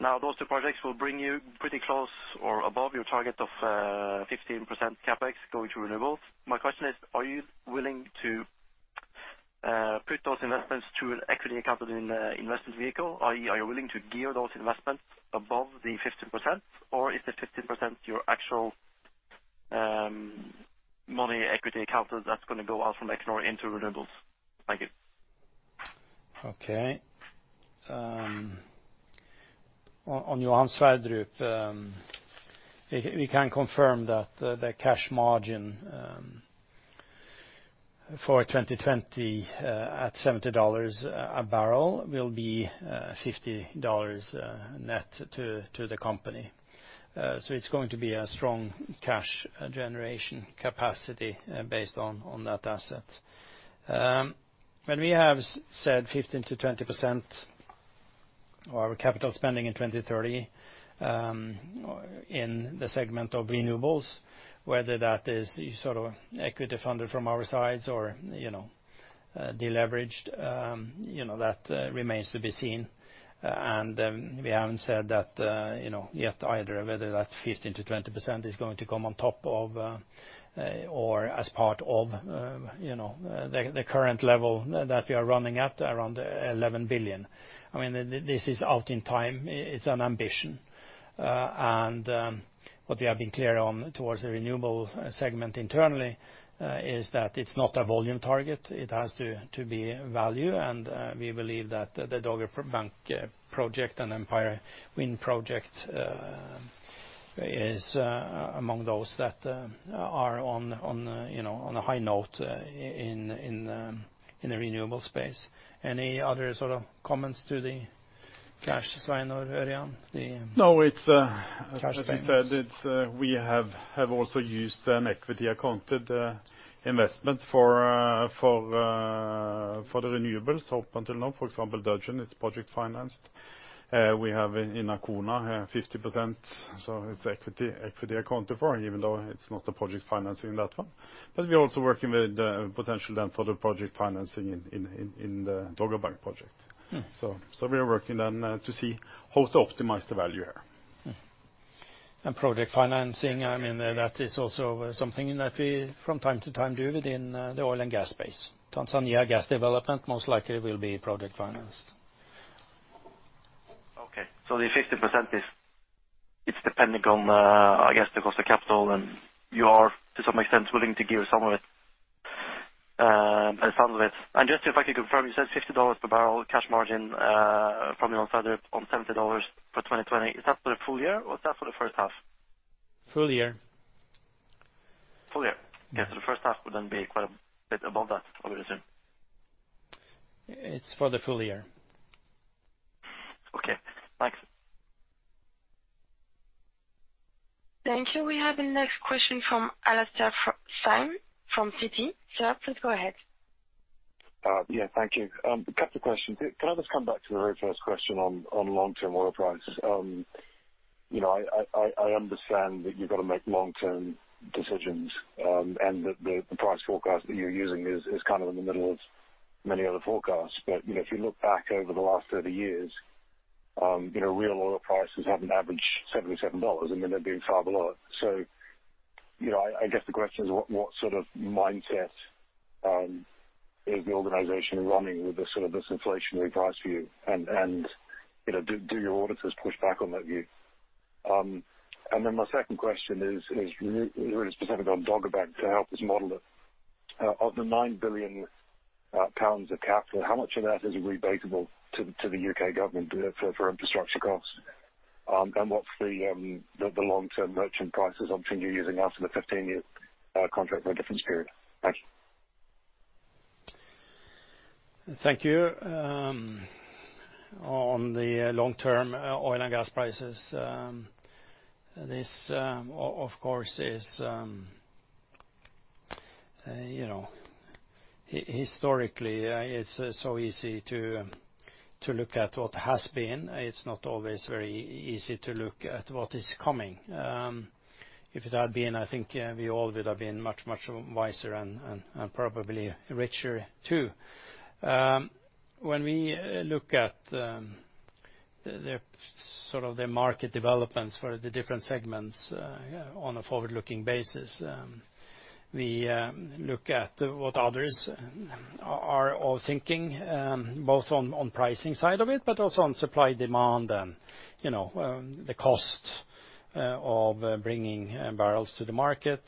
Speaker 12: Those two projects will bring you pretty close or above your target of 15% CapEx going to renewables. My question is, are you willing to put those investments to an equity accounted in investment vehicle? Are you willing to gear those investments above the 15% or is the 15% your actual money equity accounted that's going to go out from Equinor into renewables? Thank you.
Speaker 2: Okay. On Johan Sverdrup we can confirm that the cash margin for 2020 at $70 a barrel will be $50 net to the company. It's going to be a strong cash generation capacity based on that asset. When we have said 15%-20% or capital spending in 2030, in the segment of renewables, whether that is sort of equity funded from our sides or de-leveraged, that remains to be seen. We haven't said that yet either, whether that 15%-20% is going to come on top of or as part of the current level that we are running at around 11 billion. I mean, this is out in time. It's an ambition. What we have been clear on towards the renewable segment internally is that it's not a volume target. It has to be value and we believe that the Dogger Bank project and Empire Wind project is among those that are on a high note in the renewable space. Any other sort of comments to the cash, Svein or Ørjan?
Speaker 6: No.
Speaker 2: Cash flows.
Speaker 6: As we said, we have also used an equity accounted investment for the renewables up until now. For example, Dudgeon, it's project financed. We have in Arkona 50%, so it's equity accounted for, even though it's not the project financing that one. We're also working with potential then for the project financing in the Dogger Bank project. We are working then to see how to optimize the value here.
Speaker 2: Project financing, I mean, that is also something that we, from time to time, do within the oil and gas space. Tanzania gas development most likely will be project financed.
Speaker 12: Okay, the 50% is depending on, I guess, the cost of capital. You are, to some extent, willing to give some of it. Just if I could confirm, you said $50 per barrel cash margin, probably on further on $70 for 2020. Is that for the full year or is that for the first half?
Speaker 2: Full year.
Speaker 12: Full year. Okay, the first half would then be quite a bit above that, I would assume.
Speaker 2: It's for the full year.
Speaker 12: Okay, thanks.
Speaker 3: Thank you. We have the next question from Alastair Syme from Citi. Sir, please go ahead.
Speaker 13: Yeah, thank you. A couple of questions. Can I just come back to the very first question on long-term oil price? I understand that you've got to make long-term decisions, and that the price forecast that you're using is kind of in the middle of many other forecasts. If you look back over the last 30 years, real oil prices haven't averaged $77, and yet they're being far below it. I guess the question is, what sort of mindset is the organization running with this sort of this inflationary price view? Do your auditors push back on that view? My second question is really specific on Dogger Bank to help us model it. Of the 9 billion pounds of capital, how much of that is rebateable to the U.K. government for infrastructure costs? What's the long-term merchant prices I'm continuing using after the 15-year contract for a different period? Thank you.
Speaker 2: Thank you. On the long-term oil and gas prices, this of course is, historically, it's so easy to look at what has been. It's not always very easy to look at what is coming. If it had been, I think we all would have been much, much wiser and probably richer, too. When we look at the market developments for the different segments on a forward-looking basis, we look at what others are all thinking, both on pricing side of it, but also on supply-demand and the cost of bringing barrels to the market.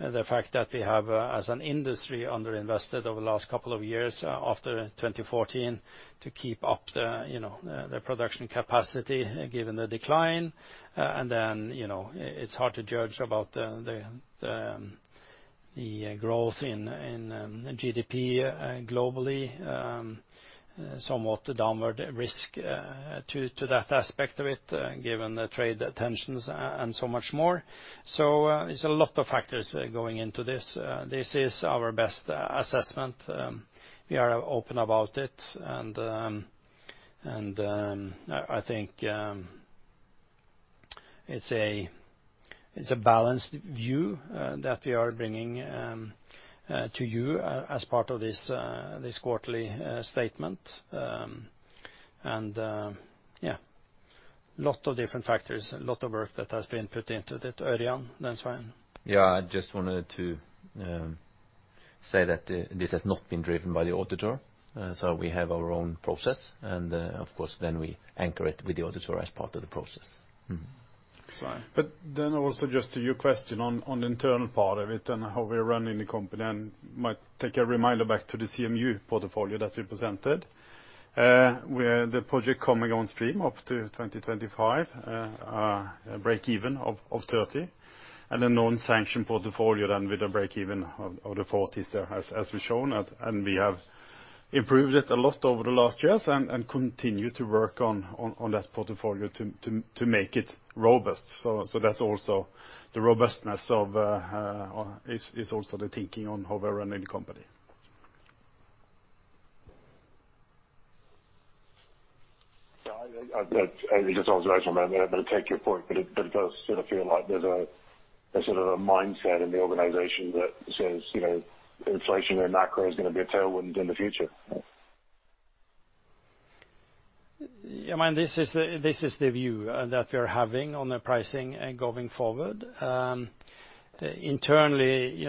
Speaker 2: The fact that we have, as an industry, under-invested over the last couple of years after 2014 to keep up the production capacity given the decline. It's hard to judge about the growth in GDP globally. Somewhat downward risk to that aspect of it, given the trade tensions and so much more. It's a lot of factors going into this. This is our best assessment. We are open about it, and I think it's a balanced view that we are bringing to you as part of this quarterly statement. Yeah, lot of different factors. A lot of work that has been put into it. Ørjan, that's fine.
Speaker 10: Yeah, I just wanted to say that this has not been driven by the auditor. We have our own process and, of course, then we anchor it with the auditor as part of the process.
Speaker 6: Also just to your question on the internal part of it and how we are running the company and might take a reminder back to the CMU portfolio that we presented, where the project coming on stream up to 2025, a break-even of $30, and a non-sanctioned portfolio then with a break-even of the $40s there as we've shown. We have improved it a lot over the last years and continue to work on that portfolio to make it robust. That's also the robustness is also the thinking on how we are running the company.
Speaker 13: Yeah, I think it's observational, man. I better take your point, but it does sort of feel like there's a sort of a mindset in the organization that says inflation and macro is going to be a tailwind in the future.
Speaker 2: Yeah, man, this is the view that we're having on the pricing going forward. Internally,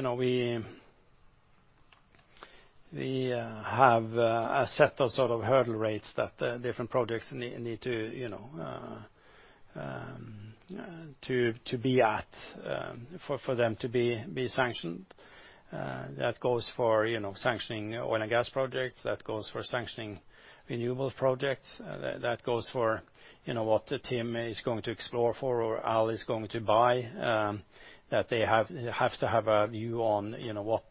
Speaker 2: we have a set of sort of hurdle rates that different projects need to be at for them to be sanctioned. That goes for sanctioning oil and gas projects, that goes for sanctioning renewable projects, that goes for what the team is going to explore for or Al is going to buy, that they have to have a view on what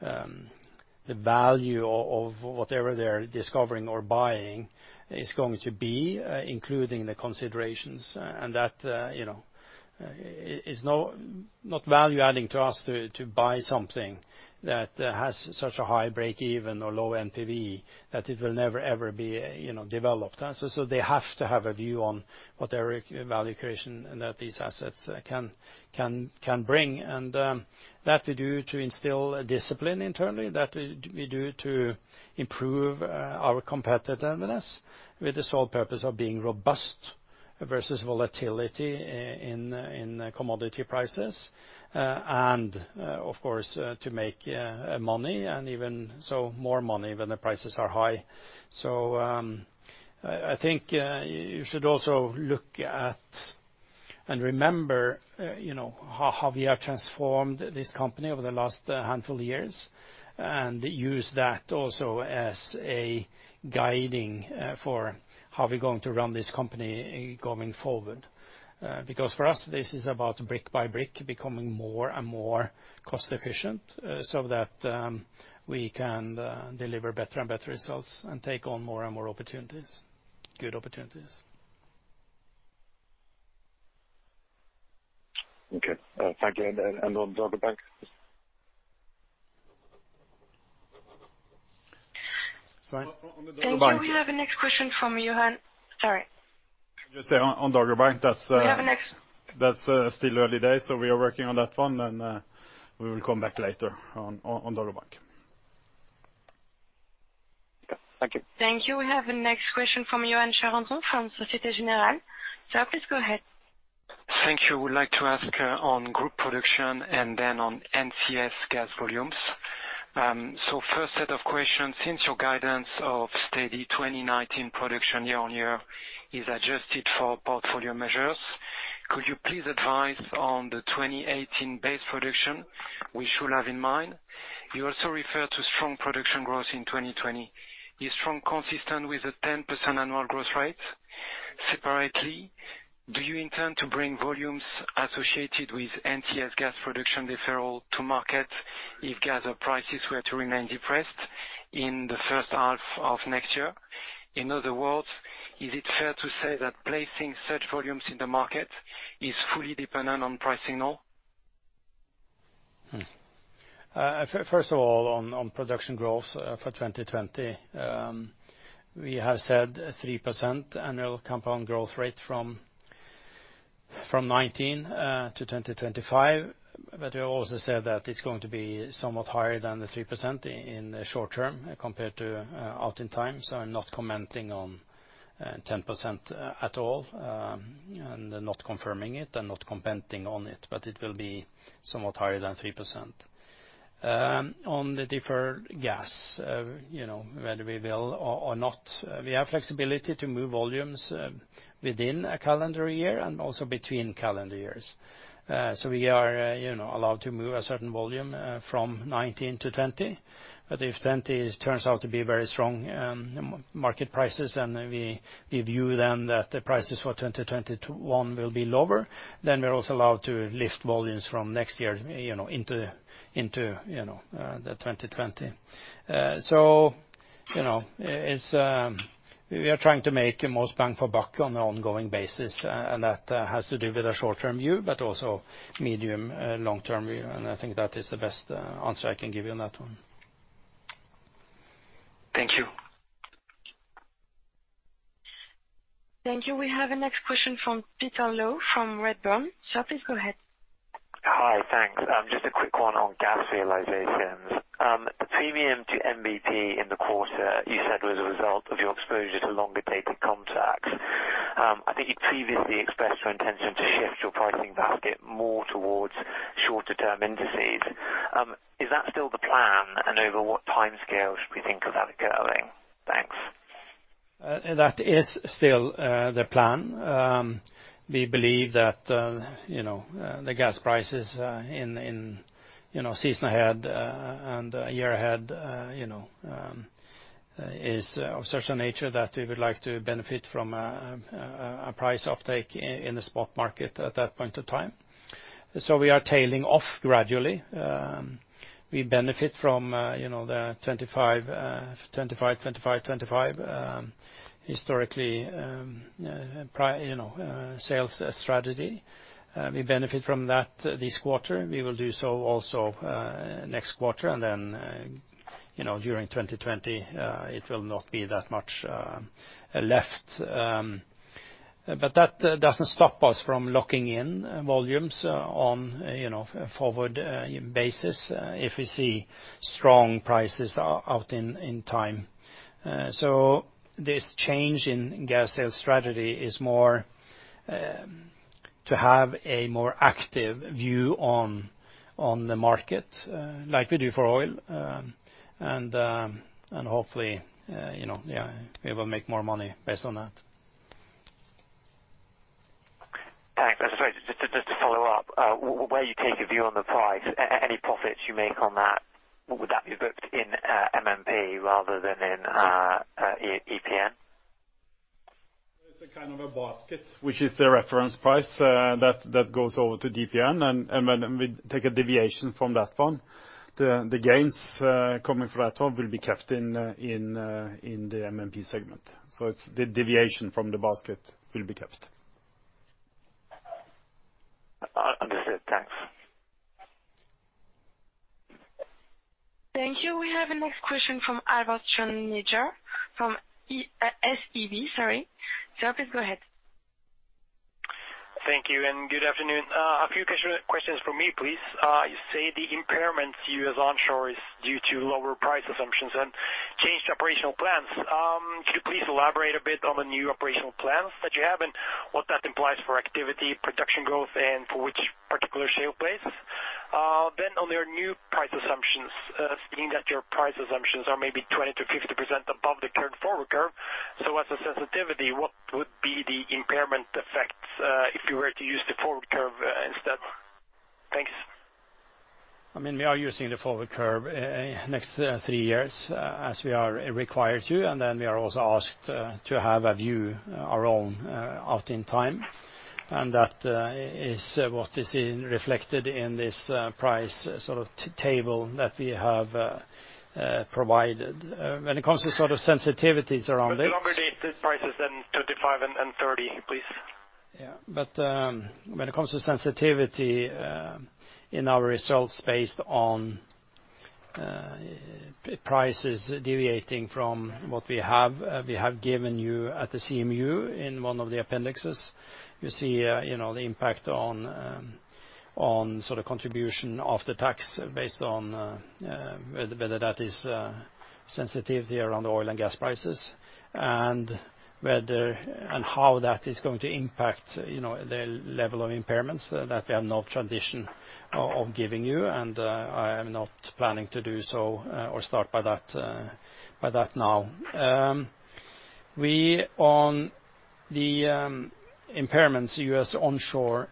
Speaker 2: the value of whatever they're discovering or buying is going to be, including the considerations and that it's not value-adding to us to buy something that has such a high breakeven or low NPV that it will never, ever be developed. They have to have a view on what their value creation and that these assets can bring. That we do to instill discipline internally, that we do to improve our competitiveness with the sole purpose of being robust versus volatility in commodity prices. Of course, to make money and even so more money when the prices are high. I think you should also look at and remember how we have transformed this company over the last handful of years and use that also as a guiding for how we're going to run this company going forward. For us, this is about brick by brick becoming more and more cost efficient so that we can deliver better and better results and take on more and more opportunities, good opportunities.
Speaker 13: Okay. Thank you. On Dogger Bank?
Speaker 2: Sorry.
Speaker 3: On the Dogger Bank. We have the next question from Yoann. Sorry.
Speaker 6: Just on Dogger Bank.
Speaker 3: We have the next-
Speaker 6: That's still early days, so we are working on that one, and we will come back later on Dogger Bank.
Speaker 13: Yeah. Thank you.
Speaker 3: Thank you. We have the next question from Yoann Charenton from Société Générale. Sir, please go ahead.
Speaker 14: Thank you. Would like to ask on group production and on NCS gas volumes. First set of questions, since your guidance of steady 2019 production year-over-year is adjusted for portfolio measures, could you please advise on the 2018 base production we should have in mind? You also refer to strong production growth in 2020. Is strong consistent with a 10% annual growth rate? Separately, do you intend to bring volumes associated with NCS gas production deferral to market if gas prices were to remain depressed in the first half of next year? In other words, is it fair to say that placing such volumes in the market is fully dependent on pricing now?
Speaker 2: On production growth for 2020, we have said 3% annual compound growth rate from 2019 to 2025. We have also said that it's going to be somewhat higher than the 3% in the short term compared to out in time. I'm not commenting on 10% at all, and not confirming it and not commenting on it. It will be somewhat higher than 3%. On the deferred gas, whether we will or not, we have flexibility to move volumes within a calendar year and also between calendar years. We are allowed to move a certain volume from 2019 to 2020. If 2020 turns out to be very strong market prices, and we view that the prices for 2021 will be lower, we are also allowed to lift volumes from next year into the 2020. We are trying to make the most bang for buck on an ongoing basis. That has to do with a short-term view, but also medium-, long-term view. I think that is the best answer I can give you on that one.
Speaker 14: Thank you.
Speaker 3: Thank you. We have the next question from Peter Low from Redburn. Sir, please go ahead.
Speaker 15: Hi, thanks. Just a quick one on gas realizations. The premium to NBP in the quarter, you said was a result of your exposure to longer-dated contracts. I think you previously expressed your intention to shift your pricing basket more towards shorter-term indices. Is that still the plan, and over what timescale should we think of that occurring? Thanks.
Speaker 2: That is still the plan. We believe that the gas prices in season ahead and year ahead is of such a nature that we would like to benefit from a price uptake in the spot market at that point in time. We are tailing off gradually. We benefit from the 25-25-25 historically sales strategy. We benefit from that this quarter. We will do so also next quarter, and then during 2020 it will not be that much left. That doesn't stop us from locking in volumes on a forward basis if we see strong prices out in time. This change in gas sales strategy is more to have a more active view on the market, like we do for oil. Hopefully, we will make more money based on that.
Speaker 15: Thanks. I suppose, just to follow up, where you take a view on the price, any profits you make on that, would that be booked in MMP rather than in DPN?
Speaker 6: It's a kind of a basket which is the reference price that goes over to DPN, and we take a deviation from that one. The gains coming from that one will be kept in the MMP segment. The deviation from the basket will be kept.
Speaker 15: Understood. Thanks.
Speaker 3: Thank you. We have the next question from Anders-Redigh Holte, from SEB. Sorry. Sir, please go ahead.
Speaker 16: Thank you, and good afternoon. A few questions from me, please. You say the impairment to U.S. onshore is due to lower price assumptions and changed operational plans. Could you please elaborate a bit on the new operational plans that you have and what that implies for activity, production growth, and for which particular shale plays? On your new price assumptions, seeing that your price assumptions are maybe 20%-50% above the current forward curve. As a sensitivity, what would be the impairment effects if you were to use the forward curve instead? Thanks.
Speaker 2: We are using the forward curve next three years as we are required to, and then we are also asked to have a view our own out in time. That is what is reflected in this price table that we have provided. When it comes to sensitivities around this.
Speaker 16: The longer-dated prices than 2025 and 2030, please.
Speaker 2: When it comes to sensitivity in our results based on prices deviating from what we have given you at the CMU in one of the appendices. You see the impact on contribution of the tax based on whether that is sensitivity around the oil and gas prices, and how that is going to impact the level of impairments that we have no tradition of giving you. I am not planning to do so or start by that now. On the impairments U.S. onshore,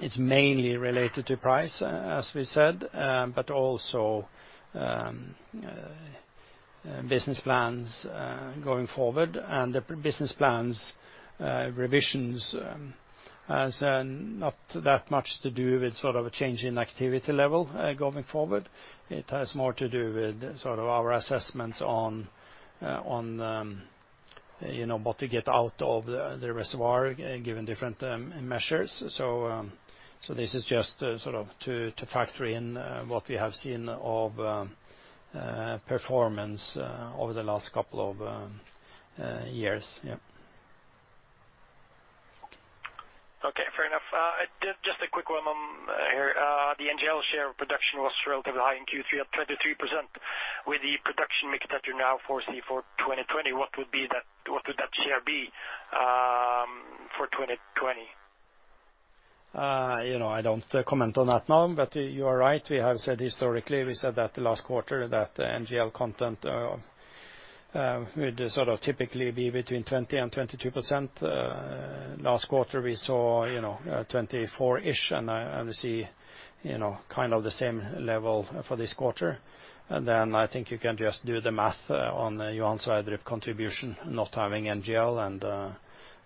Speaker 2: it's mainly related to price, as we said. Business plans going forward and the business plans revisions has not that much to do with a change in activity level going forward. It has more to do with our assessments on what we get out of the reservoir, given different measures. This is just to factor in what we have seen of performance over the last couple of years. Yeah.
Speaker 16: Okay, fair enough. Just a quick one on here. The NGL share production was relatively high in Q3 at 23% with the production mixture that you now foresee for 2020, what would that share be for 2020?
Speaker 2: I don't comment on that now, but you are right. We have said historically, we said that the last quarter that NGL content would typically be between 20% and 22%. Last quarter we saw 24-ish, we see the same level for this quarter. I think you can just do the math on the Johan Sverdrup contribution, not having NGL,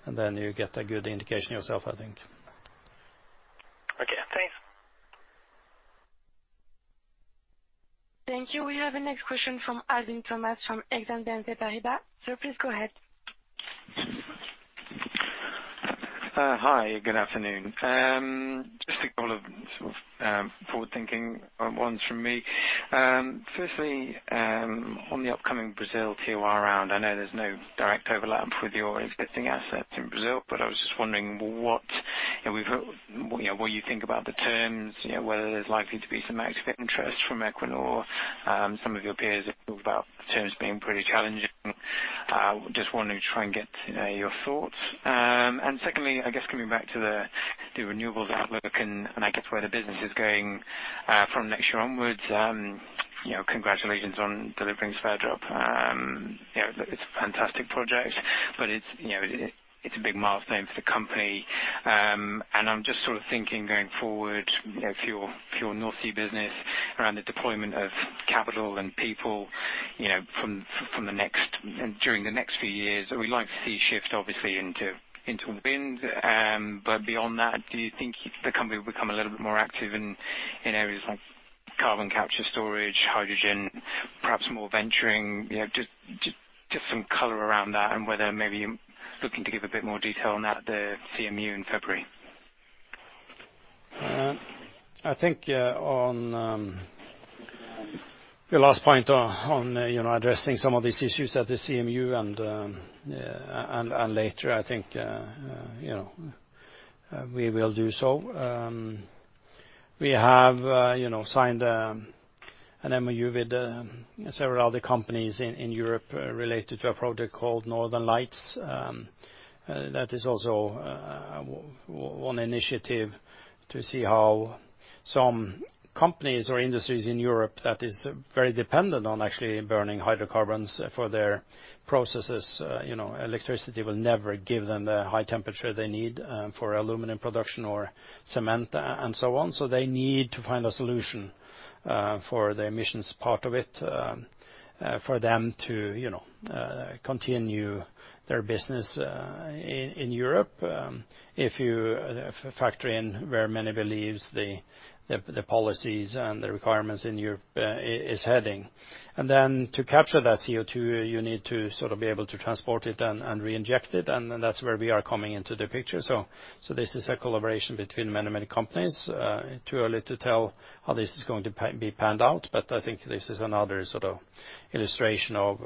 Speaker 2: and then you get a good indication yourself, I think.
Speaker 16: Okay, thanks.
Speaker 3: Thank you. We have the next question from Alwyn Thomas from Exane BNP Paribas. Sir, please go ahead.
Speaker 17: Hi, good afternoon. Just a couple of forward-thinking ones from me. Firstly, on the upcoming Brazil TOR round, I know there's no direct overlap with your existing assets in Brazil, but I was just wondering what you think about the terms, whether there's likely to be some active interest from Equinor. Some of your peers have talked about terms being pretty challenging. Just wanted to try and get your thoughts. Secondly, I guess, coming back to the renewables outlook and I guess where the business is going from next year onwards, congratulations on delivering Sverdrup. It's a fantastic project, but it's a big milestone for the company. I'm just thinking going forward, if your North Sea business around the deployment of capital and people during the next few years, we'd like to see a shift obviously into wind. Beyond that, do you think the company will become a little bit more active in areas like carbon capture storage, hydrogen, perhaps more venturing? Just some color around that and whether maybe you're looking to give a bit more detail on that at the CMD in February.
Speaker 2: I think on your last point on addressing some of these issues at the CMU and later, I think we will do so. We have signed an MOU with several other companies in Europe related to a project called Northern Lights. That is also one initiative to see how some companies or industries in Europe that is very dependent on actually burning hydrocarbons for their processes. Electricity will never give them the high temperature they need for aluminum production or cement and so on. They need to find a solution for the emissions part of it for them to continue their business in Europe. If you factor in where many believes the policies and the requirements in Europe is heading. Then to capture that CO2, you need to be able to transport it and reinject it. That's where we are coming into the picture. This is a collaboration between many companies. Too early to tell how this is going to be panned out, but I think this is another illustration of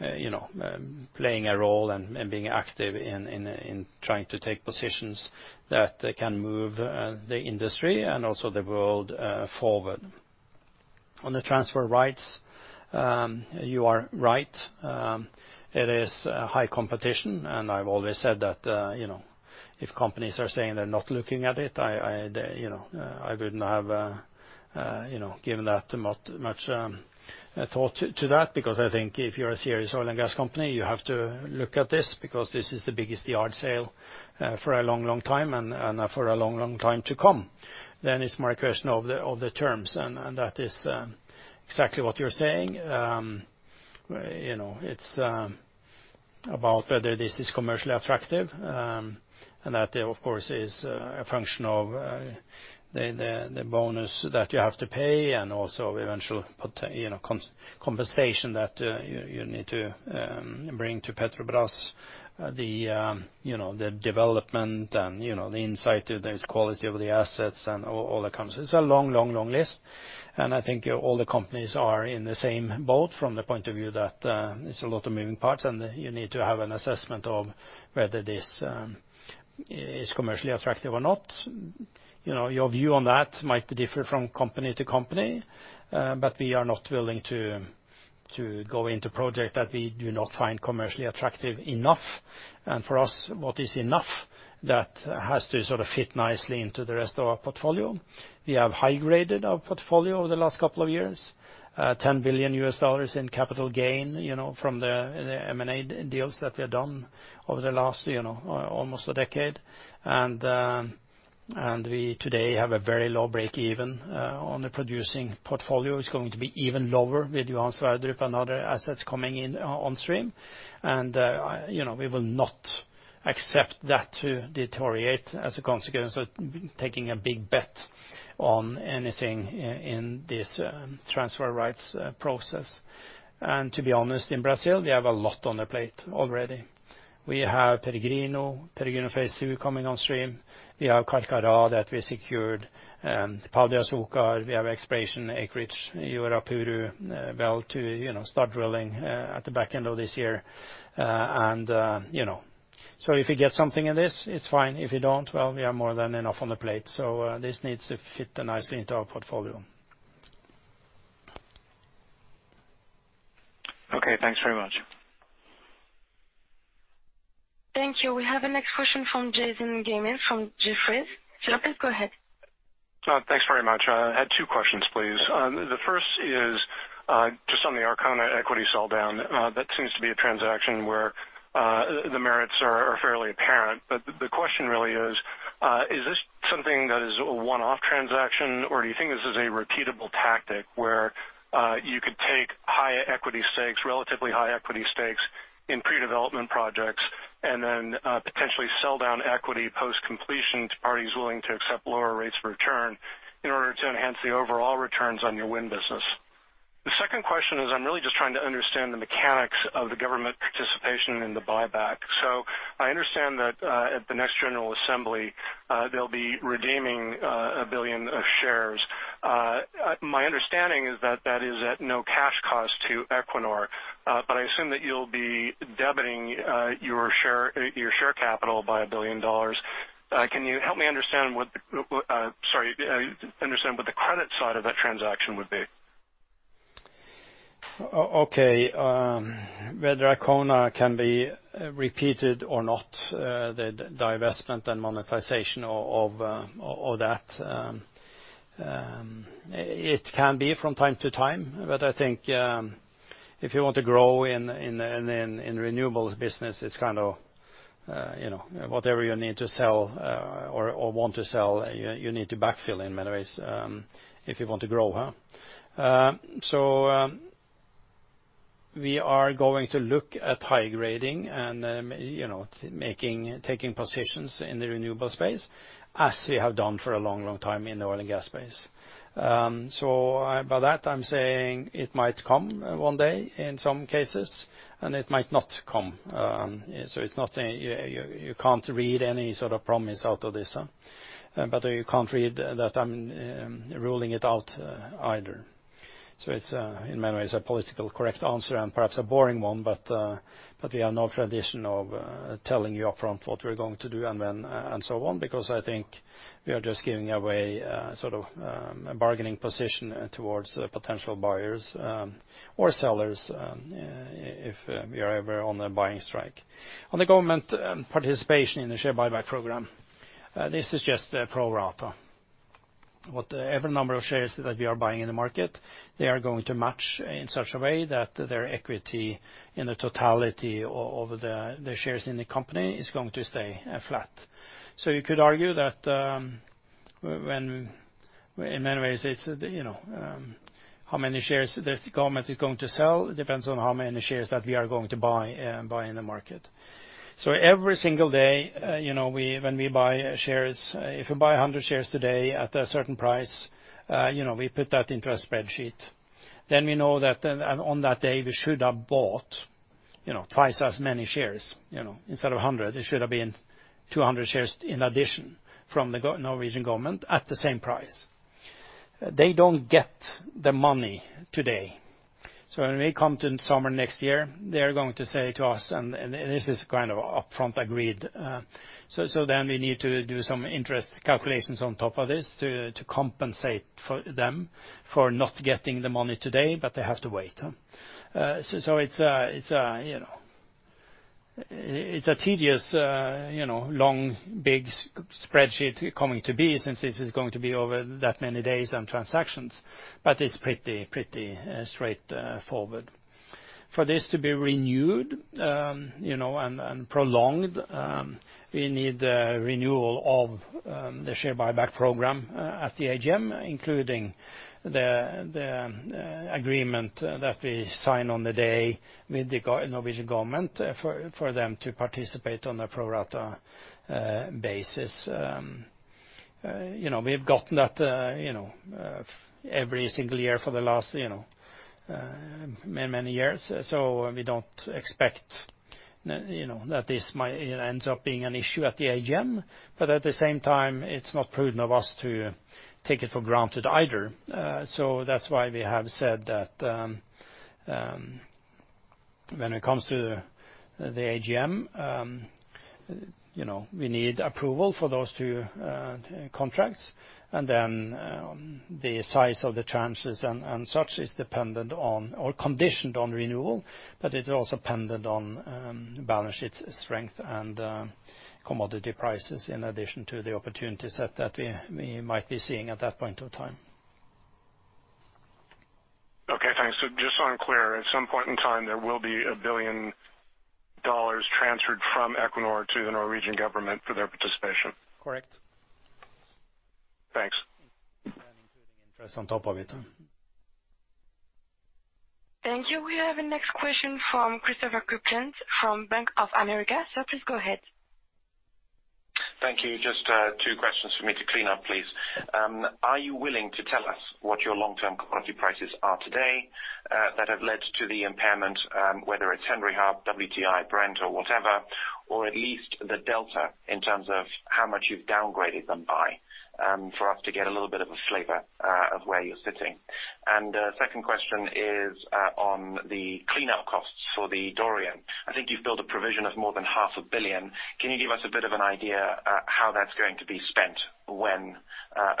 Speaker 2: Equinor playing a role and being active in trying to take positions that can move the industry and also the world forward. On the transfer of rights, you are right. It is high competition, and I've always said that if companies are saying they're not looking at it, I wouldn't have given much thought to that, because I think if you're a serious oil & gas company, you have to look at this because this is the biggest yard sale for a long time and for a long time to come. It's more a question of the terms, and that is exactly what you're saying. It's about whether this is commercially attractive. That, of course, is a function of the bonus that you have to pay and also eventual compensation that you need to bring to Petrobras, the development and the insight to the quality of the assets and all that comes. It's a long list, and I think all the companies are in the same boat from the point of view that there's a lot of moving parts, and you need to have an assessment of whether this is commercially attractive or not. Your view on that might differ from company to company, we are not willing to go into project that we do not find commercially attractive enough. For us, what is enough that has to sort of fit nicely into the rest of our portfolio. We have high-graded our portfolio over the last couple of years, $10 billion in capital gain from the M&A deals that we have done over the last almost a decade. We today have a very low break even on the producing portfolio. It's going to be even lower with Johan Sverdrup and other assets coming in on stream. We will not accept that to deteriorate as a consequence of taking a big bet on anything in this transfer rights process. To be honest, in Brazil, they have a lot on their plate already. We have Peregrino Phase 2 coming on stream. We have Carcará that we secured and Pão de Açúcar, we have exploration acreage, Uirapuru Well to start drilling at the back end of this year. If you get something in this, it's fine. If you don't, well, we have more than enough on the plate. This needs to fit nicely into our portfolio.
Speaker 17: Okay, thanks very much.
Speaker 3: Thank you. We have the next question from Jason Gammel from Jefferies. Jason, go ahead.
Speaker 18: Thanks very much. I had two questions, please. The first is just on the Arkona equity sell-down. That seems to be a transaction where the merits are fairly apparent, but the question really is this something that is a one-off transaction or do you think this is a repeatable tactic where you could take relatively high equity stakes in pre-development projects and then potentially sell down equity post-completion to parties willing to accept lower rates of return in order to enhance the overall returns on your wind business? The second question is, I'm really just trying to understand the mechanics of the government participation in the buyback. I understand that at the next general assembly they'll be redeeming 1 billion shares. My understanding is that is at no cash cost to Equinor. I assume that you'll be debiting your share capital by $1 billion. Can you help me understand what the credit side of that transaction would be?
Speaker 2: Okay. Whether Arkona can be repeated or not, the divestment and monetization of that. It can be from time to time, but I think if you want to grow in renewables business, it's kind of whatever you need to sell or want to sell, you need to backfill in many ways if you want to grow. We are going to look at high grading and taking positions in the renewable space as we have done for a long time in the oil and gas space. By that I'm saying it might come one day in some cases and it might not come. You can't read any sort of promise out of this. You can't read that I'm ruling it out either. It's in many ways a politically correct answer and perhaps a boring one, but we have no tradition of telling you upfront what we're going to do and when and so on, because I think we are just giving away sort of a bargaining position towards potential buyers or sellers if we are ever on a buying strike. On the government participation in the share buyback program, this is just a pro rata. Whatever number of shares that we are buying in the market, they are going to match in such a way that their equity in the totality of the shares in the company is going to stay flat. You could argue that in many ways it's how many shares the government is going to sell depends on how many shares that we are going to buy in the market. Every single day when we buy shares, if we buy 100 shares today at a certain price, we put that into a spreadsheet. We know that on that day we should have bought twice as many shares instead of 100. It should have been 200 shares in addition from the Norwegian government at the same price. They don't get the money today. When we come to summer next year, they are going to say to us, and this is kind of upfront agreed, then we need to do some interest calculations on top of this to compensate them for not getting the money today, but they have to wait. It's a tedious long, big spreadsheet coming to be since this is going to be over that many days and transactions, but it's pretty straightforward. For this to be renewed and prolonged, we need a renewal of the share buyback program at the AGM, including the agreement that we sign on the day with the Norwegian government for them to participate on a pro rata basis. We've gotten that every single year for the last many years. We don't expect that this might end up being an issue at the AGM, but at the same time, it's not prudent of us to take it for granted either. That's why we have said that when it comes to the AGM, we need approval for those two contracts. The size of the tranches and such is dependent on or conditioned on renewal. It also depended on balance sheet strength and commodity prices in addition to the opportunity set that we might be seeing at that point of time.
Speaker 18: Okay, thanks. Just so I'm clear, at some point in time, there will be $1 billion transferred from Equinor to the Norwegian government for their participation.
Speaker 2: Correct. Press on top of it.
Speaker 3: Thank you. We have the next question from Christopher Kuplent from Bank of America. Please go ahead.
Speaker 19: Thank you. Just two questions for me to clean up, please. Are you willing to tell us what your long-term commodity prices are today that have led to the impairment, whether it's Henry Hub, WTI, Brent or whatever, or at least the delta in terms of how much you've downgraded them by for us to get a little bit of a flavor of where you're sitting? Second question is on the cleanup costs for the Dorian. I think you've built a provision of more than NOK half a billion. Can you give us a bit of an idea how that's going to be spent, when,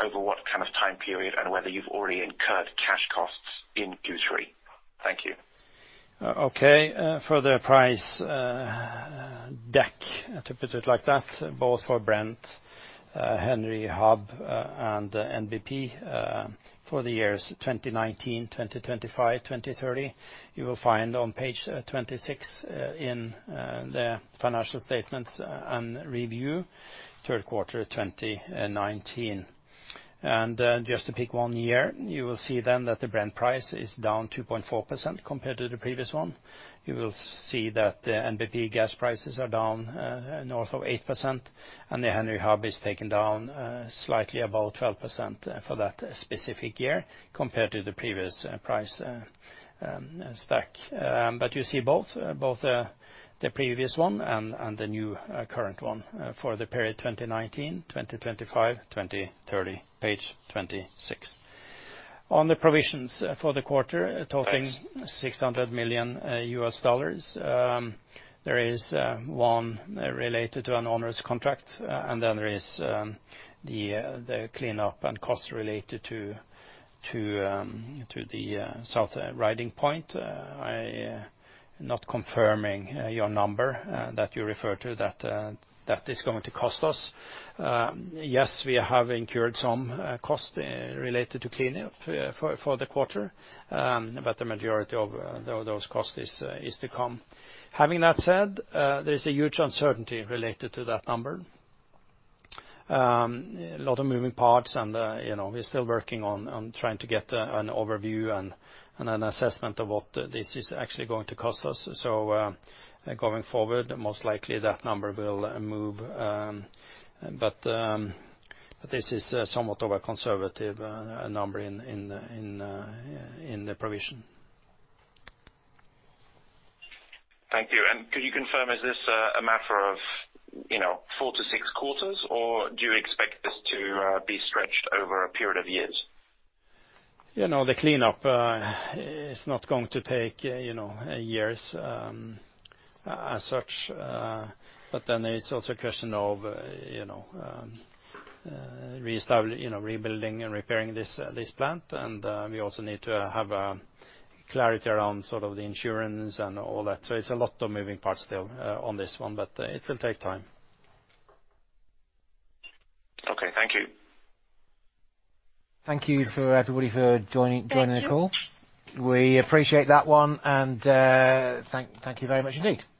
Speaker 19: over what kind of time period, and whether you've already incurred cash costs in Q3? Thank you.
Speaker 2: Okay. For the price deck, to put it like that, both for Brent, Henry Hub, and NBP for the years 2019, 2025, 2030, you will find on page 26 in the financial statements and review third quarter 2019. Just to pick one year, you will see then that the Brent price is down 2.4% compared to the previous one. You will see that the NBP gas prices are down north of 8%, and the Henry Hub is taken down slightly above 12% for that specific year compared to the previous price stack. You see both the previous one and the new current one for the period 2019, 2025, 2030, page 26. On the provisions for the quarter totaling $600 million, there is one related to an onerous contract, and then there is the cleanup and cost related to the South Riding point. I not confirming your number that you refer to that is going to cost us. Yes, we have incurred some cost related to cleanup for the quarter, but the majority of those cost is to come. Having that said, there is a huge uncertainty related to that number. A lot of moving parts and we're still working on trying to get an overview and an assessment of what this is actually going to cost us. Going forward, most likely that number will move. This is somewhat of a conservative number in the provision.
Speaker 19: Thank you. Could you confirm, is this a matter of four to six quarters, or do you expect this to be stretched over a period of years?
Speaker 2: The cleanup is not going to take years as such. It's also a question of rebuilding and repairing this plant, and we also need to have clarity around the insurance and all that. It's a lot of moving parts still on this one, but it will take time.
Speaker 19: Okay. Thank you.
Speaker 2: Thank you for everybody for joining.
Speaker 3: Thank you.
Speaker 2: -the call. We appreciate that one, and thank you very much indeed.
Speaker 19: Thank you so much.